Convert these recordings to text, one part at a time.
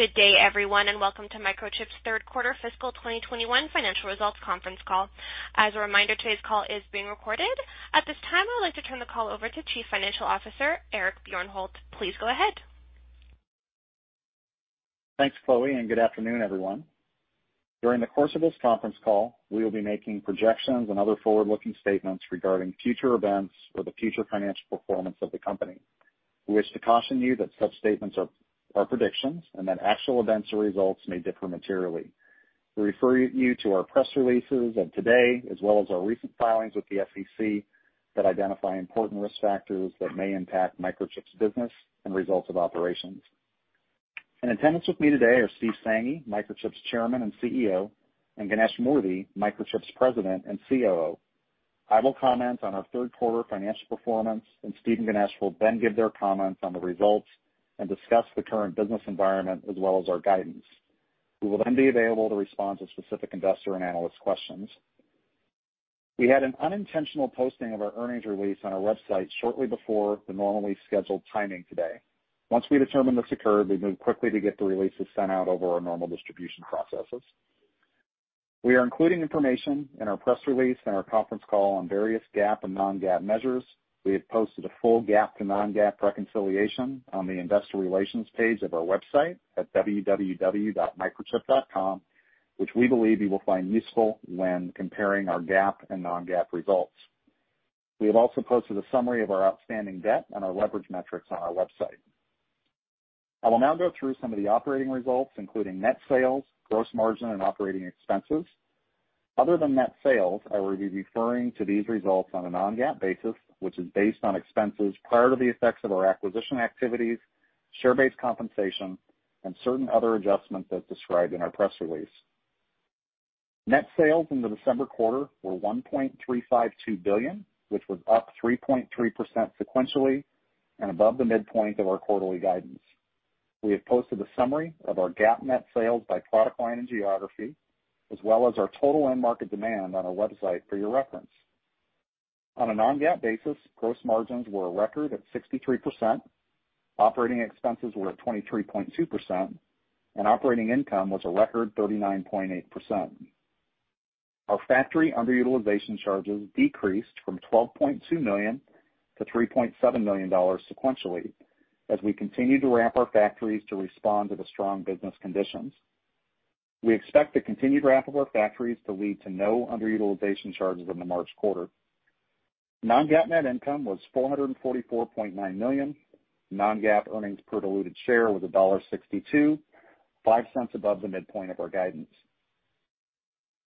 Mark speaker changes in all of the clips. Speaker 1: Good day, everyone, and welcome to Microchip's third quarter fiscal 2021 financial results conference call. As a reminder, today's call is being recorded. At this time, I would like to turn the call over to Chief Financial Officer, Eric Bjornholt. Please go ahead.
Speaker 2: Thanks, Chloe, and good afternoon, everyone. During the course of this conference call, we will be making projections and other forward-looking statements regarding future events or the future financial performance of the company. We wish to caution you that such statements are predictions, and that actual events or results may differ materially. We refer you to our press releases of today, as well as our recent filings with the SEC that identify important risk factors that may impact Microchip's business and results of operations. In attendance with me today are Steve Sanghi, Microchip's Chairman and CEO, and Ganesh Moorthy, Microchip's President and COO. I will comment on our third quarter financial performance. Steve and Ganesh will then give their comments on the results and discuss the current business environment as well as our guidance. We will then be available to respond to specific investor and analyst questions. We had an unintentional posting of our earnings release on our website shortly before the normally scheduled timing today. Once we determined this occurred, we moved quickly to get the releases sent out over our normal distribution processes. We are including information in our press release and our conference call on various GAAP and non-GAAP measures. We have posted a full GAAP to non-GAAP reconciliation on the Investor Relations page of our website at www.microchip.com, which we believe you will find useful when comparing our GAAP and non-GAAP results. We have also posted a summary of our outstanding debt and our Leverage Metrics on our website. I will now go through some of the operating results, including net sales, gross margin, and operating expenses. Other than net sales, I will be referring to these results on a non-GAAP basis, which is based on expenses prior to the effects of our acquisition activities, share-based compensation, and certain other adjustments as described in our press release. Net sales in the December quarter were $1.352 billion, which was up 3.3% sequentially and above the midpoint of our quarterly guidance. We have posted a summary of our GAAP net sales by product line and geography, as well as our total end market demand on our website for your reference. On a non-GAAP basis, gross margins were a record at 63%, operating expenses were at 23.2%, and operating income was a record 39.8%. Our factory underutilization charges decreased from $12.2 million to $3.7 million sequentially as we continue to ramp our factories to respond to the strong business conditions. We expect the continued ramp of our factories to lead to no underutilization charges in the March quarter. Non-GAAP net income was $444.9 million. Non-GAAP earnings per diluted share was $1.62, $0.05 above the midpoint of our guidance.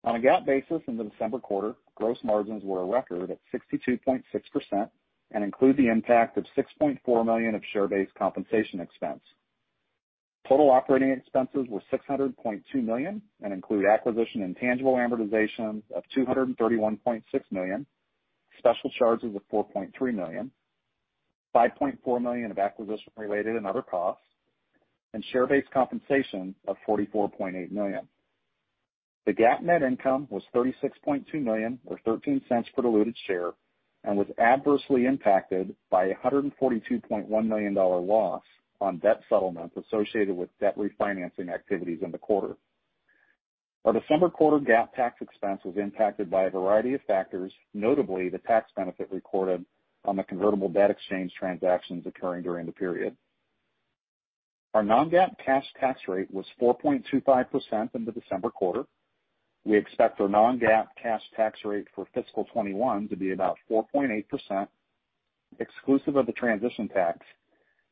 Speaker 2: On a GAAP basis in the December quarter, gross margins were a record at 62.6% and include the impact of $6.4 million of share-based compensation expense. Total operating expenses were $600.2 million and include acquisition intangible amortization of $231.6 million, special charges of $4.3 million, $5.4 million of acquisition-related and other costs, and share-based compensation of $44.8 million. The GAAP net income was $36.2 million or $0.13 per diluted share and was adversely impacted by $142.1 million loss on debt settlements associated with debt refinancing activities in the quarter. Our December quarter GAAP tax expense was impacted by a variety of factors, notably the tax benefit recorded on the convertible debt exchange transactions occurring during the period. Our non-GAAP cash tax rate was 4.25% in the December quarter. We expect our non-GAAP cash tax rate for fiscal 2021 to be about 4.8%, exclusive of the transition tax,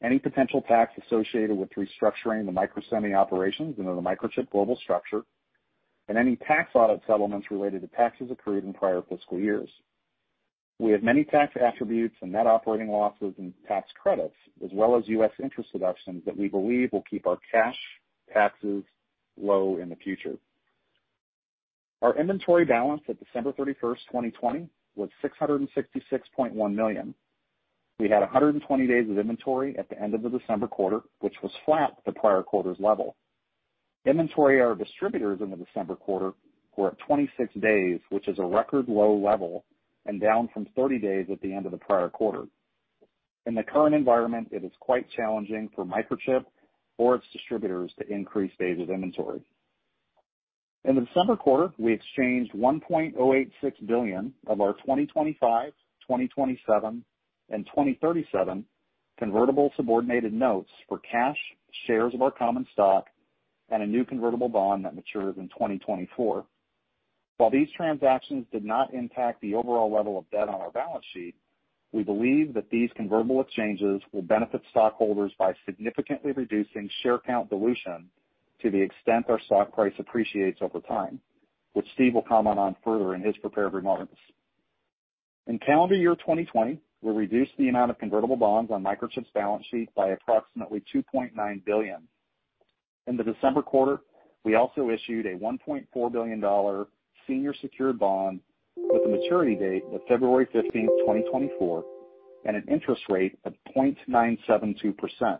Speaker 2: any potential tax associated with restructuring the Microsemi operations into the Microchip global structure, and any tax audit settlements related to taxes accrued in prior fiscal years. We have many tax attributes and net operating losses and tax credits, as well as U.S. interest deductions that we believe will keep our cash taxes low in the future. Our inventory balance at December 31st, 2020, was $666.1 million. We had 120 days of inventory at the end of the December quarter, which was flat with the prior quarter's level. Inventory at our distributors in the December quarter were at 26 days, which is a record low level and down from 30 days at the end of the prior quarter. In the current environment, it is quite challenging for Microchip or its distributors to increase days of inventory. In the December quarter, we exchanged $1.086 billion of our 2025, 2027, and 2037 convertible subordinated notes for cash, shares of our common stock, and a new convertible bond that matures in 2024. While these transactions did not impact the overall level of debt on our balance sheet, we believe that these convertible exchanges will benefit stockholders by significantly reducing share count dilution to the extent our stock price appreciates over time, which Steve will comment on further in his prepared remarks. In calendar year 2020, we reduced the amount of convertible bonds on Microchip's balance sheet by approximately $2.9 billion. In the December quarter, we also issued a $1.4 billion senior secured bond with a maturity date of February 15th, 2024, and an interest rate of 0.972%,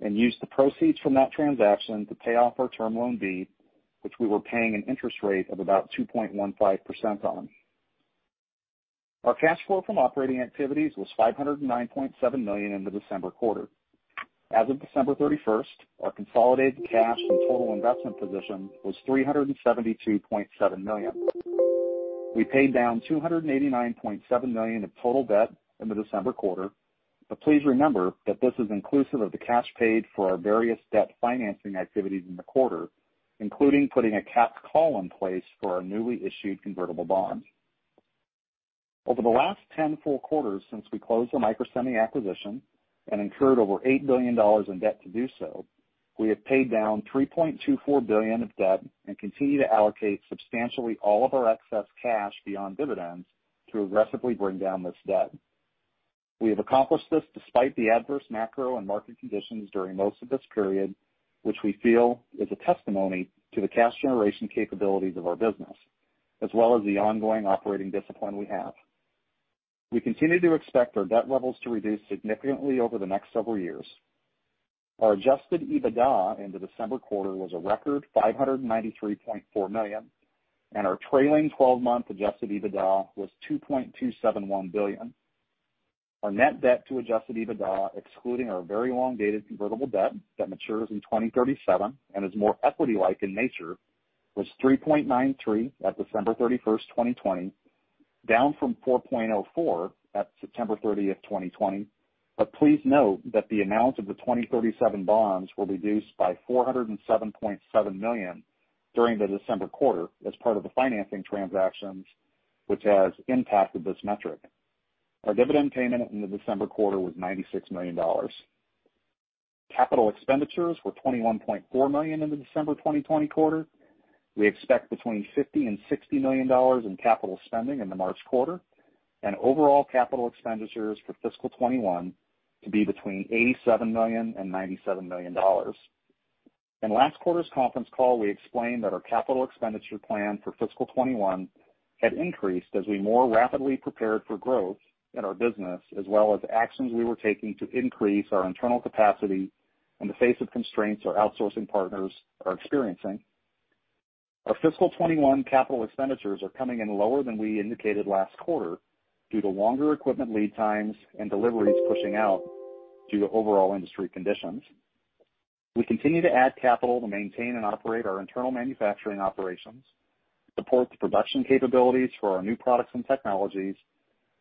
Speaker 2: and used the proceeds from that transaction to pay off our Term Loan B, which we were paying an interest rate of about 2.15% on. Our cash flow from operating activities was $509.7 million in the December quarter. As of December 31st, our consolidated cash and total investment position was $372.7 million. We paid down $289.7 million of total debt in the December quarter, but please remember that this is inclusive of the cash paid for our various debt financing activities in the quarter, including putting a capped call in place for our newly issued convertible bonds. Over the last 10 full quarters since we closed the Microsemi acquisition and incurred over $8 billion in debt to do so, we have paid down $3.24 billion of debt and continue to allocate substantially all of our excess cash beyond dividends to aggressively bring down this debt. We have accomplished this despite the adverse macro and market conditions during most of this period, which we feel is a testimony to the cash generation capabilities of our business, as well as the ongoing operating discipline we have. We continue to expect our debt levels to reduce significantly over the next several years. Our Adjusted EBITDA in the December quarter was a record $593.4 million, and our trailing 12-month Adjusted EBITDA was $2.271 billion. Our net debt to Adjusted EBITDA, excluding our very long-dated convertible debt that matures in 2037 and is more equity-like in nature, was 3.93 at December 31st, 2020, down from 4.04 at September 30th, 2020. Please note that the amount of the 2037 bonds will reduce by $407.7 million during the December quarter as part of the financing transactions, which has impacted this metric. Our dividend payment in the December quarter was $96 million. capital expenditures were $21.4 million in the December 2020 quarter. We expect between $50 million and $60 million in capital spending in the March quarter and overall capital expenditures for fiscal 2021 to be between $87 million and $97 million. In last quarter's conference call, we explained that our capital expenditure plan for fiscal 2021 had increased as we more rapidly prepared for growth in our business, as well as actions we were taking to increase our internal capacity in the face of constraints our outsourcing partners are experiencing. Our fiscal 2021 capital expenditures are coming in lower than we indicated last quarter due to longer equipment lead times and deliveries pushing out due to overall industry conditions. We continue to add capital to maintain and operate our internal manufacturing operations, support the production capabilities for our new products and technologies,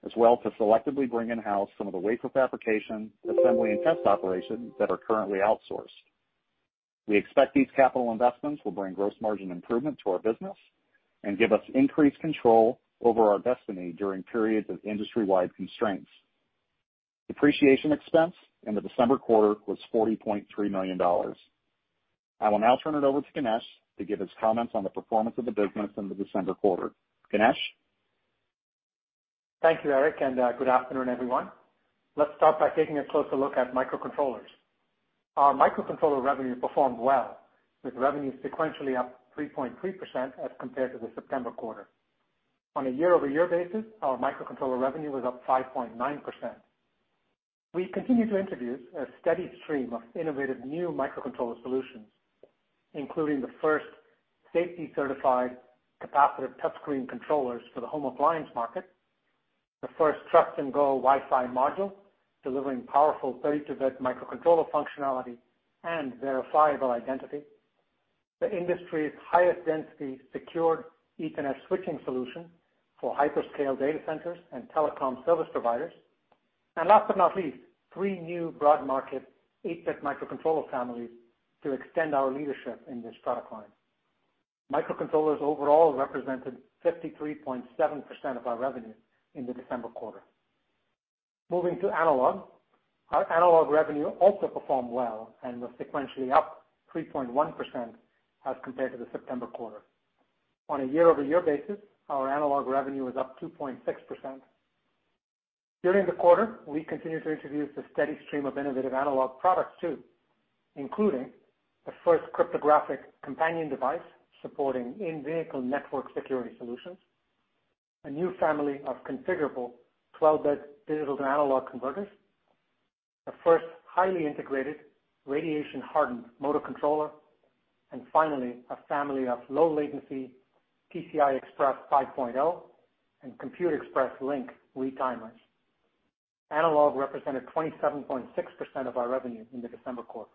Speaker 2: as well to selectively bring in-house some of the wafer fabrication, assembly, and test operations that are currently outsourced. We expect these capital investments will bring gross margin improvement to our business and give us increased control over our destiny during periods of industry-wide constraints. Depreciation expense in the December quarter was $40.3 million. I will now turn it over to Ganesh to give his comments on the performance of the business in the December quarter. Ganesh?
Speaker 3: Thank you, Eric, and good afternoon, everyone. Let's start by taking a closer look at Microcontrollers. Our Microcontroller revenue performed well, with revenue sequentially up 3.3% as compared to the September quarter. On a year-over-year basis, our Microcontroller revenue was up 5.9%. We continue to introduce a steady stream of innovative new Microcontroller solutions, including the first safety-certified capacitive touchscreen controllers for the home appliance market, the first Trust&GO Wi-Fi module, delivering powerful 32-bit microcontroller functionality and verifiable identity, the industry's highest density secured Ethernet switching solution for hyperscale data centers and telecom service providers, and last but not least, three new broad market 8-bit microcontroller families to extend our leadership in this product line. Microcontrollers overall represented 53.7% of our revenue in the December quarter. Moving to Analog. Our Analog revenue also performed well and was sequentially up 3.1% as compared to the September quarter. On a year-over-year basis, our Analog revenue was up 2.6%. During the quarter, we continued to introduce a steady stream of innovative Analog products too, including the first cryptographic companion device supporting in-vehicle network security solutions, a new family of configurable 12-bit digital to analog converters, the first highly integrated radiation-hardened motor controller, and finally, a family of low latency PCI Express 5.0 and Compute Express Link retimers. Analog represented 27.6% of our revenue in the December quarter.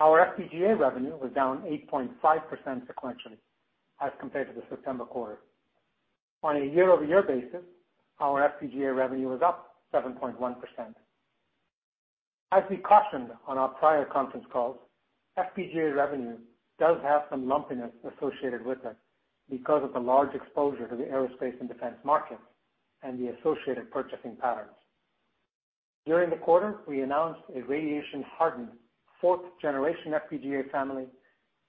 Speaker 3: Our FPGA revenue was down 8.5% sequentially as compared to the September quarter. On a year-over-year basis, our FPGA revenue was up 7.1%. As we cautioned on our prior conference calls, FPGA revenue does have some lumpiness associated with it because of the large exposure to the aerospace and defense market and the associated purchasing patterns. During the quarter, we announced a radiation-hardened fourth generation FPGA family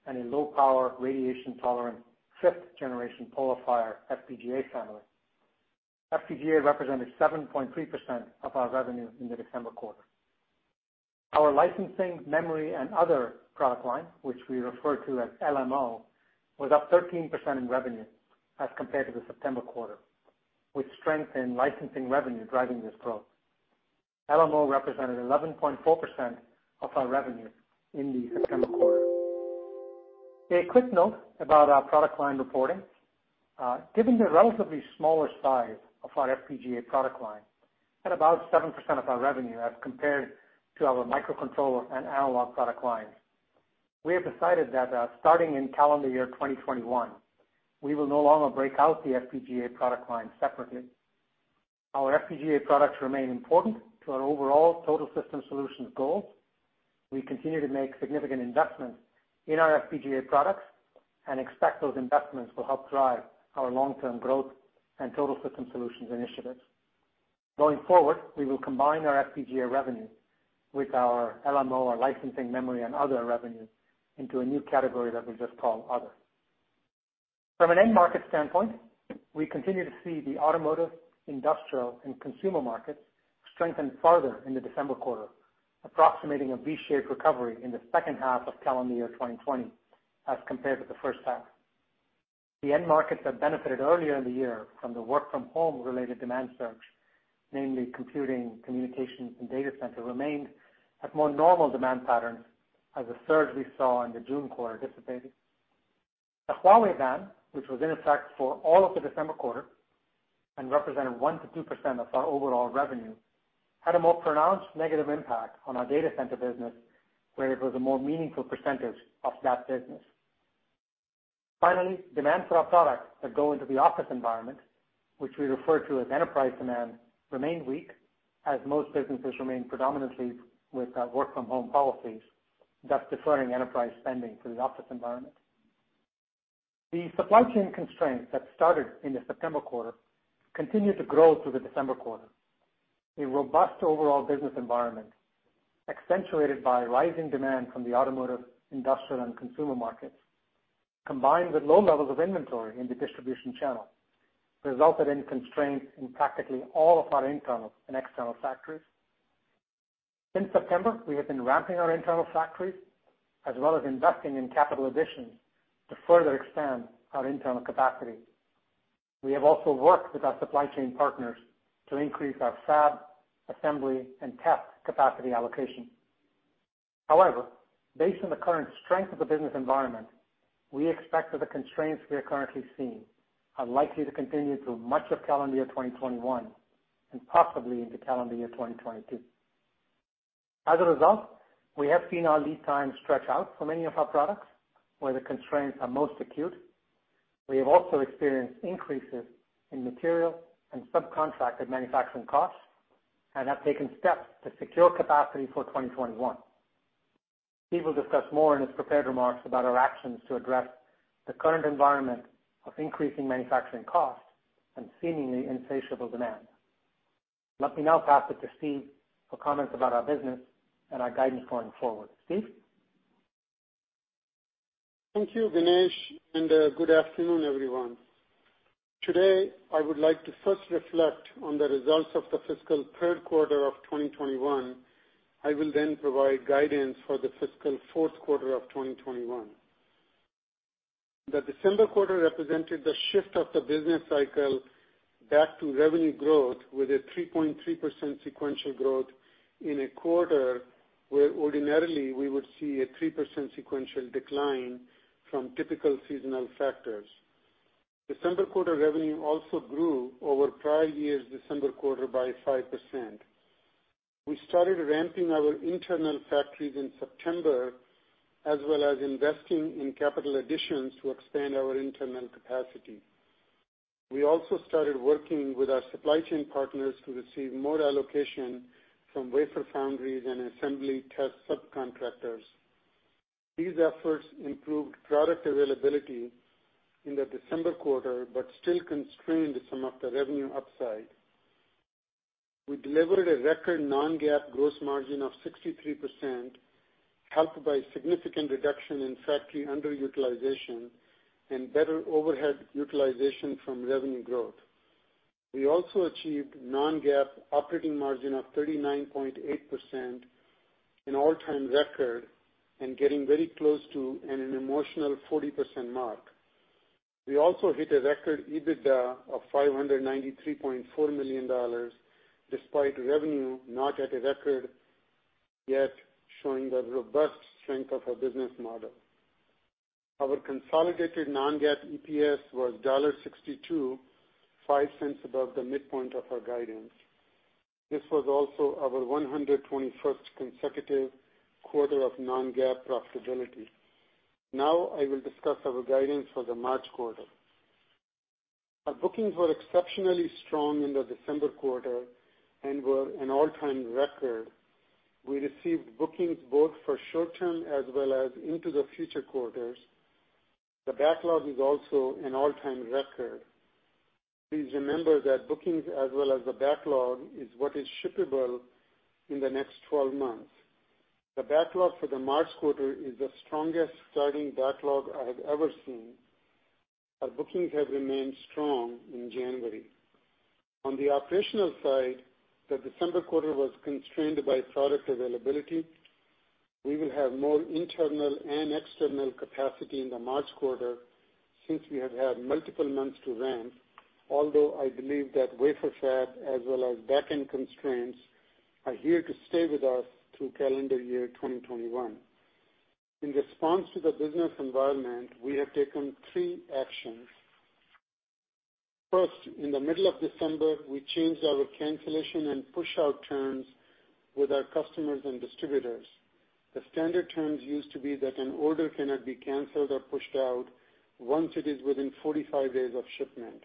Speaker 3: and a low power radiation-tolerant fifth generation PolarFire FPGA family. FPGA represented 7.3% of our revenue in the December quarter. Our Licensing, Memory and Other product line, which we refer to as LMO, was up 13% in revenue as compared to the September quarter, with strength in licensing revenue driving this growth. LMO represented 11.4% of our revenue in the September quarter. A quick note about our product line reporting. Given the relatively smaller size of our FPGA product line, at about 7% of our revenue as compared to our Microcontroller and Analog product lines, we have decided that starting in calendar year 2021, we will no longer break out the FPGA product line separately. Our FPGA products remain important to our overall total system solutions goals. We continue to make significant investments in our FPGA products and expect those investments will help drive our long-term growth and total system solutions initiatives. Going forward, we will combine our FPGA revenue with our LMO, our Licensing, Memory and Other revenue into a new category that we just call Other. From an end market standpoint, we continue to see the Automotive, Industrial, and Consumer markets strengthen further in the December quarter, approximating a V-shaped recovery in the second half of calendar year 2020 as compared to the first half. The end markets that benefited earlier in the year from the work from home related demand surge, namely computing, communications, and data center, remained at more normal demand patterns as the surge we saw in the June quarter dissipated. The Huawei ban, which was in effect for all of the December quarter and represented 1%-2% of our overall revenue, had a more pronounced negative impact on our Data Center business, where it was a more meaningful percentage of that business. Finally, demand for our products that go into the office environment, which we refer to as Enterprise demand, remained weak as most businesses remain predominantly with work from home policies, thus deferring Enterprise spending for the office environment. The supply chain constraints that started in the September quarter continued to grow through the December quarter. A robust overall business environment, accentuated by rising demand from the Automotive, Industrial, and Consumer markets, combined with low levels of inventory in the distribution channel, resulted in constraints in practically all of our internal and external factories. Since September, we have been ramping our internal factories, as well as investing in capital additions to further expand our internal capacity. We have also worked with our supply chain partners to increase our fab, assembly, and test capacity allocation. However, based on the current strength of the business environment, we expect that the constraints we are currently seeing are likely to continue through much of calendar year 2021 and possibly into calendar year 2022. As a result, we have seen our lead time stretch out for many of our products where the constraints are most acute. We have also experienced increases in material and subcontracted manufacturing costs and have taken steps to secure capacity for 2021. Steve will discuss more in his prepared remarks about our actions to address the current environment of increasing manufacturing costs and seemingly insatiable demand. Let me now pass it to Steve for comments about our business and our guidance going forward. Steve?
Speaker 4: Thank you, Ganesh, and good afternoon, everyone. Today, I would like to first reflect on the results of the fiscal third quarter of 2021. I will then provide guidance for the fiscal fourth quarter of 2021. The December quarter represented the shift of the business cycle back to revenue growth with a 3.3% sequential growth in a quarter where ordinarily we would see a 3% sequential decline from typical seasonal factors. December quarter revenue also grew over prior year's December quarter by 5%. We started ramping our internal factories in September, as well as investing in capital additions to expand our internal capacity. We also started working with our supply chain partners to receive more allocation from wafer foundries and assembly test subcontractors. These efforts improved product availability in the December quarter, but still constrained some of the revenue upside. We delivered a record non-GAAP gross margin of 63%, helped by significant reduction in factory underutilization and better overhead utilization from revenue growth. We also achieved non-GAAP operating margin of 39.8%, an all-time record, and getting very close to an emotional 40% mark. We also hit a record EBITDA of $593.4 million, despite revenue not at a record, yet showing the robust strength of our business model. Our consolidated non-GAAP EPS was $1.62, $0.05 above the midpoint of our guidance. This was also our 121st consecutive quarter of non-GAAP profitability. Now I will discuss our guidance for the March quarter. Our bookings were exceptionally strong in the December quarter and were an all-time record. We received bookings both for short-term as well as into the future quarters. The backlog is also an all-time record. Please remember that bookings as well as the backlog is what is shippable in the next 12 months. The backlog for the March quarter is the strongest starting backlog I have ever seen. Our bookings have remained strong in January. On the operational side, the December quarter was constrained by product availability. We will have more internal and external capacity in the March quarter. Since we have had multiple months to ramp, although I believe that wafer fab as well as backend constraints are here to stay with us through calendar year 2021. In response to the business environment, we have taken three actions. First, in the middle of December, we changed our cancellation and pushout terms with our customers and distributors. The standard terms used to be that an order cannot be canceled or pushed out once it is within 45 days of shipment.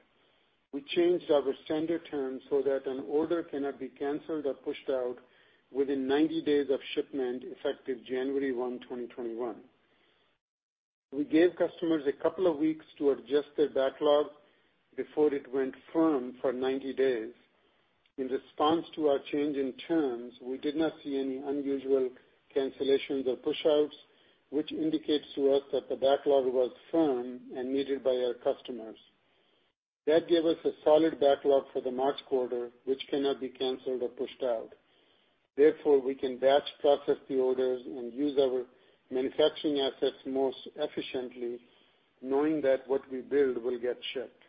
Speaker 4: We changed our standard terms so that an order cannot be canceled or pushed out within 90 days of shipment, effective January 1, 2021. We gave customers a couple of weeks to adjust their backlog before it went firm for 90 days. In response to our change in terms, we did not see any unusual cancellations or pushouts, which indicates to us that the backlog was firm and needed by our customers. That gave us a solid backlog for the March quarter, which cannot be canceled or pushed out. Therefore, we can batch process the orders and use our manufacturing assets most efficiently, knowing that what we build will get shipped.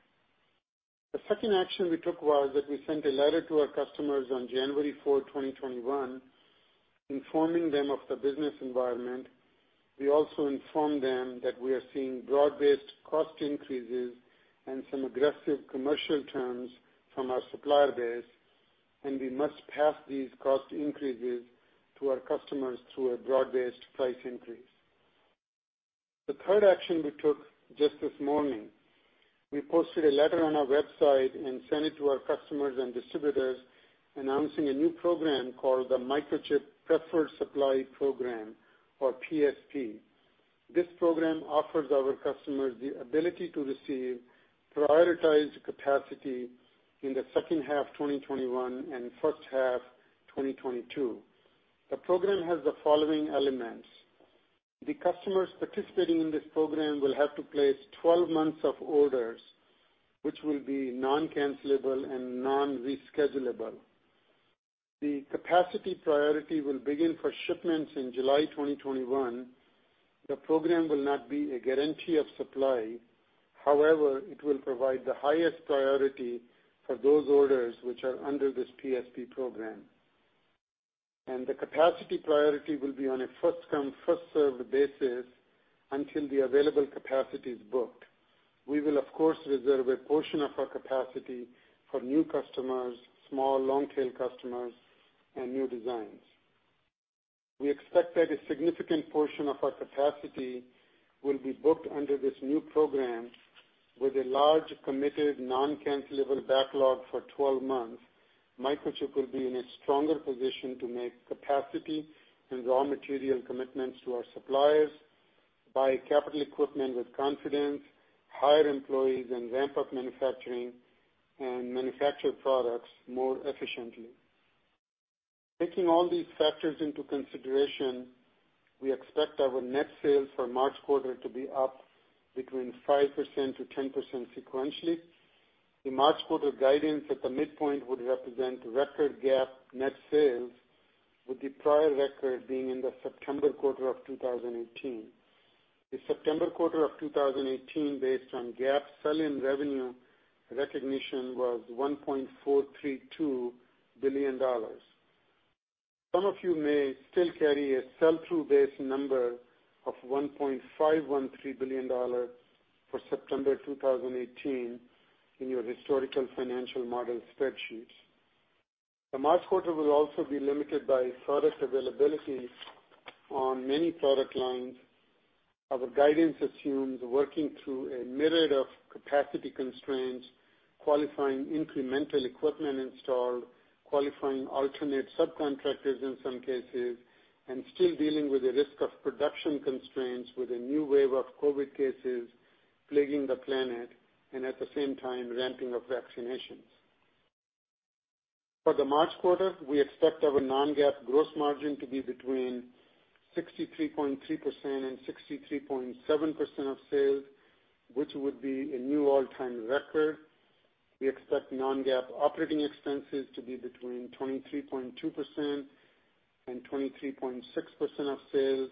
Speaker 4: The second action we took was that we sent a letter to our customers on January 4, 2021, informing them of the business environment. We also informed them that we are seeing broad-based cost increases and some aggressive commercial terms from our supplier base, and we must pass these cost increases to our customers through a broad-based price increase. The third action we took just this morning, we posted a letter on our website and sent it to our customers and distributors announcing a new program called the Microchip Preferred Supply program, or PSP. This program offers our customers the ability to receive prioritized capacity in the second half 2021 and first half 2022. The program has the following elements. The customers participating in this program will have to place 12 months of orders, which will be non-cancelable and non-reschedulable. The capacity priority will begin for shipments in July 2021. The program will not be a guarantee of supply. However, it will provide the highest priority for those orders which are under this PSP program. The capacity priority will be on a first-come, first-served basis until the available capacity is booked. We will, of course, reserve a portion of our capacity for new customers, small long-tail customers, and new designs. We expect that a significant portion of our capacity will be booked under this new program with a large, committed, non-cancelable backlog for 12 months. Microchip will be in a stronger position to make capacity and raw material commitments to our suppliers, buy capital equipment with confidence, hire employees, and ramp up manufacturing and manufacture products more efficiently. Taking all these factors into consideration, we expect our net sales for March quarter to be up between 5%-10% sequentially. The March quarter guidance at the midpoint would represent record GAAP net sales, with the prior record being in the September quarter of 2018. The September quarter of 2018, based on GAAP sell-in revenue recognition, was $1.432 billion. Some of you may still carry a sell-through base number of $1.513 billion for September 2018 in your historical financial model spreadsheets. The March quarter will also be limited by product availability on many product lines. Our guidance assumes working through a myriad of capacity constraints, qualifying incremental equipment installed, qualifying alternate subcontractors in some cases, and still dealing with the risk of production constraints with a new wave of COVID cases plaguing the planet and at the same time, ramping of vaccinations. For the March quarter, we expect our non-GAAP gross margin to be between 63.3% and 63.7% of sales, which would be a new all-time record. We expect non-GAAP operating expenses to be between 23.2% and 23.6% of sales,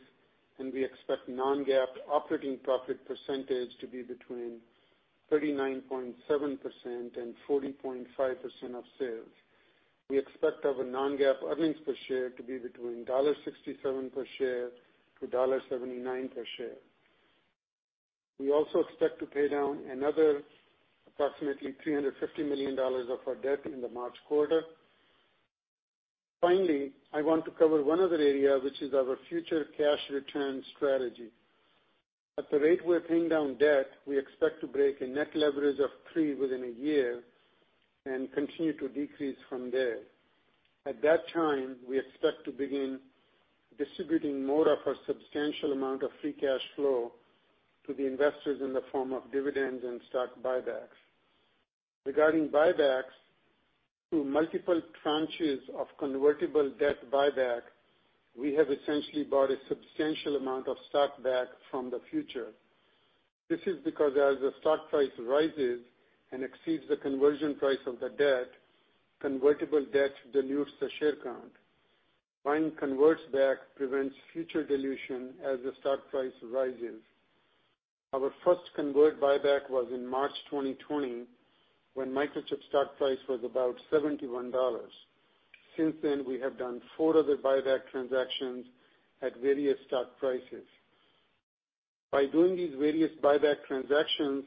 Speaker 4: and we expect non-GAAP operating profit percentage to be between 39.7% and 40.5% of sales. We expect our non-GAAP earnings per share to be between $1.67 per share-$1.79 per share. We also expect to pay down another approximately $350 million of our debt in the March quarter. Finally, I want to cover one other area, which is our future cash return strategy. At the rate we're paying down debt, we expect to break a net leverage of three within a year and continue to decrease from there. At that time, we expect to begin distributing more of our substantial amount of free cash flow to the investors in the form of dividends and stock buybacks. Regarding buybacks, through multiple tranches of convertible debt buyback, we have essentially bought a substantial amount of stock back from the future. This is because as the stock price rises and exceeds the conversion price of the debt, convertible debt dilutes the share count. Buying converts back prevents future dilution as the stock price rises. Our first convert buyback was in March 2020, when Microchip's stock price was about $71. Since then, we have done four other buyback transactions at various stock prices. By doing these various buyback transactions,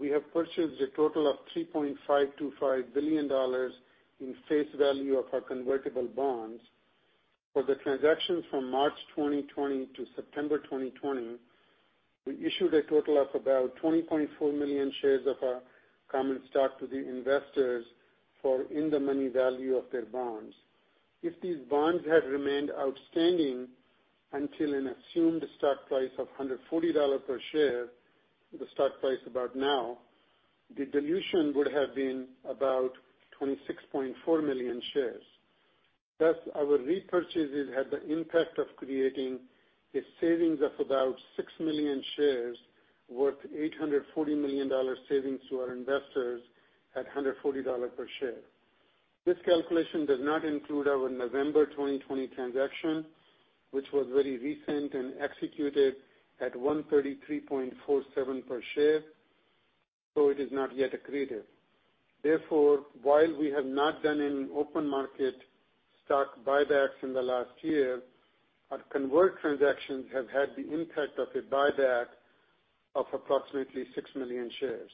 Speaker 4: we have purchased a total of $3.525 billion in face value of our convertible bonds. For the transactions from March 2020 to September 2020, we issued a total of about 20.4 million shares of our common stock to the investors for in-the-money value of their bonds. If these bonds had remained outstanding until an assumed stock price of $140 per share, the stock price about now, the dilution would have been about 26.4 million shares. Thus, our repurchases had the impact of creating a savings of about 6 million shares, worth $840 million savings to our investors at $140 per share. This calculation does not include our November 2020 transaction, which was very recent and executed at $133.47 per share, so it is not yet accretive. Therefore, while we have not done any open market stock buybacks in the last year, our convert transactions have had the impact of a buyback of approximately 6 million shares.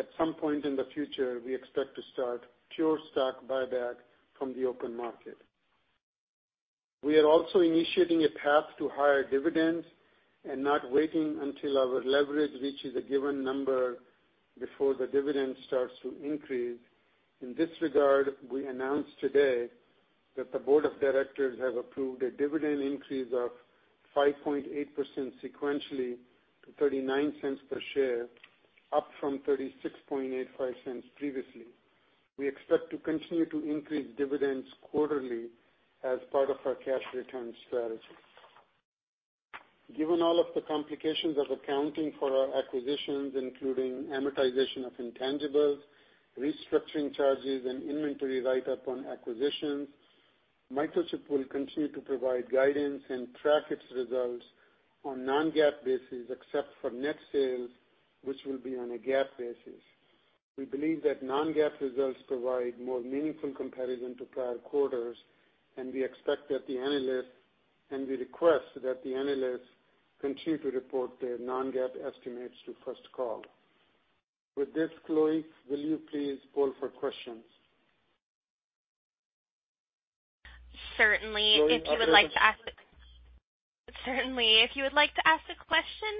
Speaker 4: At some point in the future, we expect to start pure stock buyback from the open market. We are also initiating a path to higher dividends and not waiting until our leverage reaches a given number before the dividend starts to increase. In this regard, we announced today that the Board of Directors have approved a dividend increase of 5.8% sequentially to $0.39 per share, up from $0.3685 previously. We expect to continue to increase dividends quarterly as part of our cash return strategy. Given all of the complications of accounting for our acquisitions, including amortization of intangibles, restructuring charges, and inventory write-up on acquisitions, Microchip will continue to provide guidance and track its results on non-GAAP basis, except for net sales, which will be on a GAAP basis. We believe that non-GAAP results provide more meaningful comparison to prior quarters. We request that the analysts continue to report their non-GAAP estimates to First Call. With this, Chloe, will you please call for questions?
Speaker 1: Certainly. If you would like to ask a question,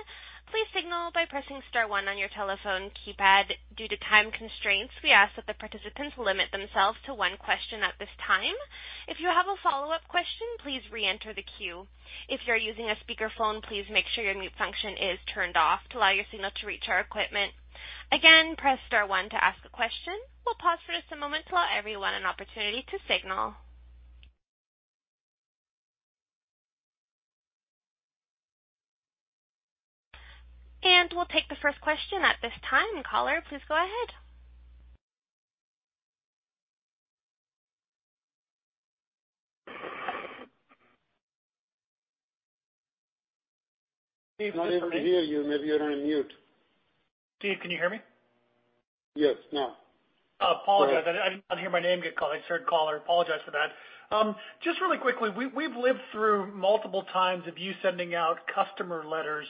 Speaker 1: please signal by pressing star one on your telephone keypad. Due to time constraints, we ask that the participants limit themselves to one question at this time. If you have a follow-up question, please re-enter the queue. If you're using a speakerphone, please make sure your mute function is turned off to allow your signal to reach our equipment. Again, press star one to ask a question. We'll pause for just a moment to allow everyone an opportunity to signal. We'll take the first question at this time. Caller, please go ahead.
Speaker 4: I'm not able to hear you. Maybe you're on mute.
Speaker 5: Steve, can you hear me?
Speaker 4: Yes, now.
Speaker 5: Apologize. I did not hear my name get called. I just heard caller. Apologize for that. Just really quickly, we've lived through multiple times of you sending out customer letters.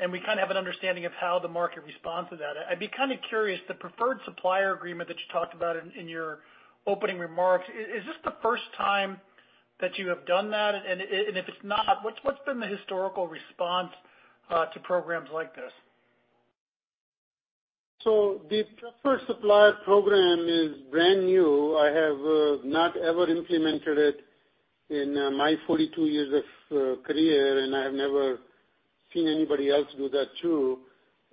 Speaker 5: We kind of have an understanding of how the market responds to that. I'd be kind of curious, the Preferred Supply agreement that you talked about in your opening remarks, is this the first time that you have done that? If it's not, what's been the historical response to programs like this?
Speaker 4: The Preferred Supply program is brand new. I have not ever implemented it in my 42 years of career, and I have never seen anybody else do that too.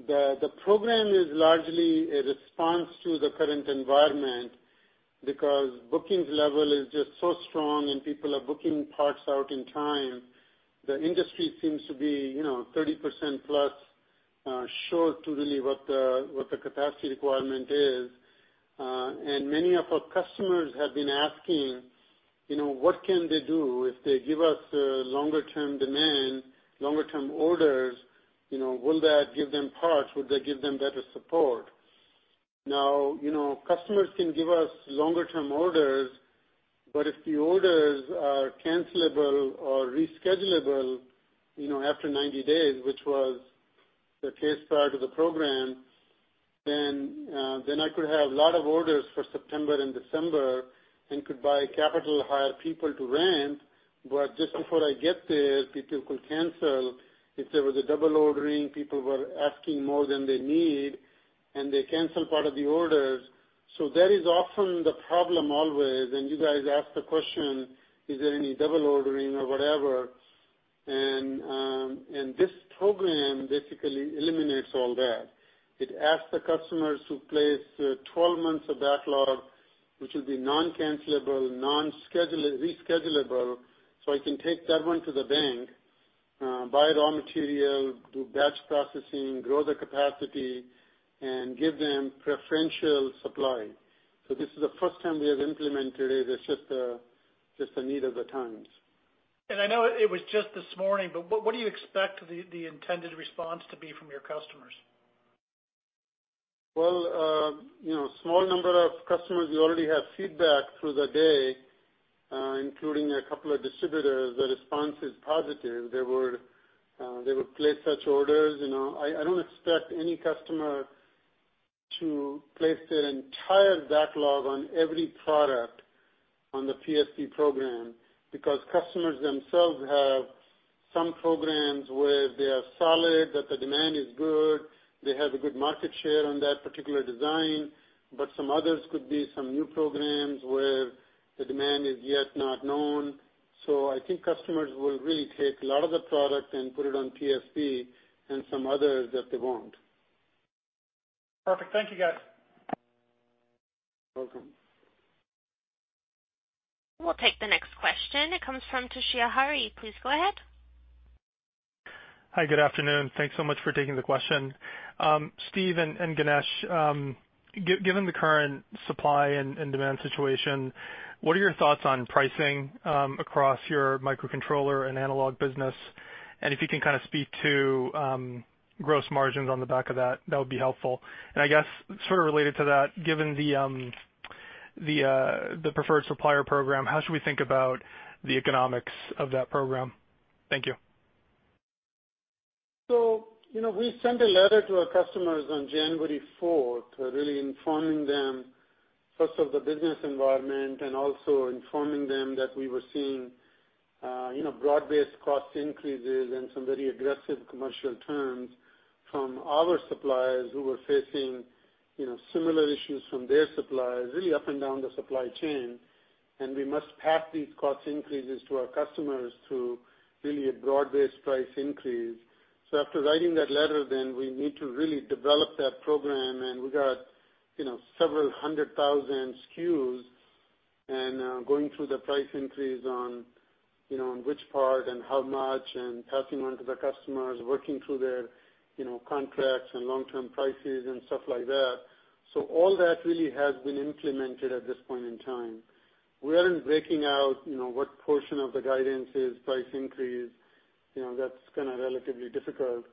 Speaker 4: The program is largely a response to the current environment because bookings level is just so strong and people are booking parts out in time. The industry seems to be 30%+ short to really what the capacity requirement is. Many of our customers have been asking, what can they do if they give us longer-term demand, longer-term orders, will that give them parts? Would that give them better support? Now, customers can give us longer term orders, but if the orders are cancelable or reschedulable after 90 days, which was the case prior to the program, then I could have a lot of orders for September and December and could buy capital, hire people to ramp, but just before I get there, people could cancel. If there was a double ordering, people were asking more than they need, and they cancel part of the orders. That is often the problem always, and you guys ask the question, is there any double ordering or whatever? This program basically eliminates all that. It asks the customers to place 12 months of backlog, which will be non-cancelable, non-reschedulable, so I can take that one to the bank, buy raw material, do batch processing, grow the capacity, and give them preferential supply. This is the first time we have implemented it. It's just a need of the times.
Speaker 5: I know it was just this morning, but what do you expect the intended response to be from your customers?
Speaker 4: Well, small number of customers, we already have feedback through the day, including a couple of distributors. The response is positive. They would place such orders. I don't expect any customer to place their entire backlog on every product on the PSP program, because customers themselves have some programs where they are solid, that the demand is good, they have a good market share on that particular design, but some others could be some new programs where the demand is yet not known. I think customers will really take a lot of the product and put it on PSP and some others that they won't.
Speaker 5: Perfect. Thank you, guys.
Speaker 4: Welcome.
Speaker 1: We'll take the next question. It comes from Toshiya Hari. Please go ahead.
Speaker 6: Hi, good afternoon. Thanks so much for taking the question. Steve and Ganesh, given the current supply and demand situation, what are your thoughts on pricing across your Microcontroller and Analog business? If you can kind of speak to gross margins on the back of that would be helpful. I guess sort of related to that, given the Preferred Supply program, how should we think about the economics of that program? Thank you.
Speaker 4: We sent a letter to our customers on January 4th, really informing them, first of the business environment, and also informing them that we were seeing broad-based cost increases and some very aggressive commercial terms from our suppliers who were facing similar issues from their suppliers, really up and down the supply chain. We must pass these cost increases to our customers through, really, a broad-based price increase. After writing that letter, then we need to really develop that program, and we got several hundred thousand SKUs and going through the price increase on which part and how much, and passing on to the customers, working through their contracts and long-term prices and stuff like that. All that really has been implemented at this point in time. We aren't breaking out what portion of the guidance is price increase. That's kind of relatively difficult.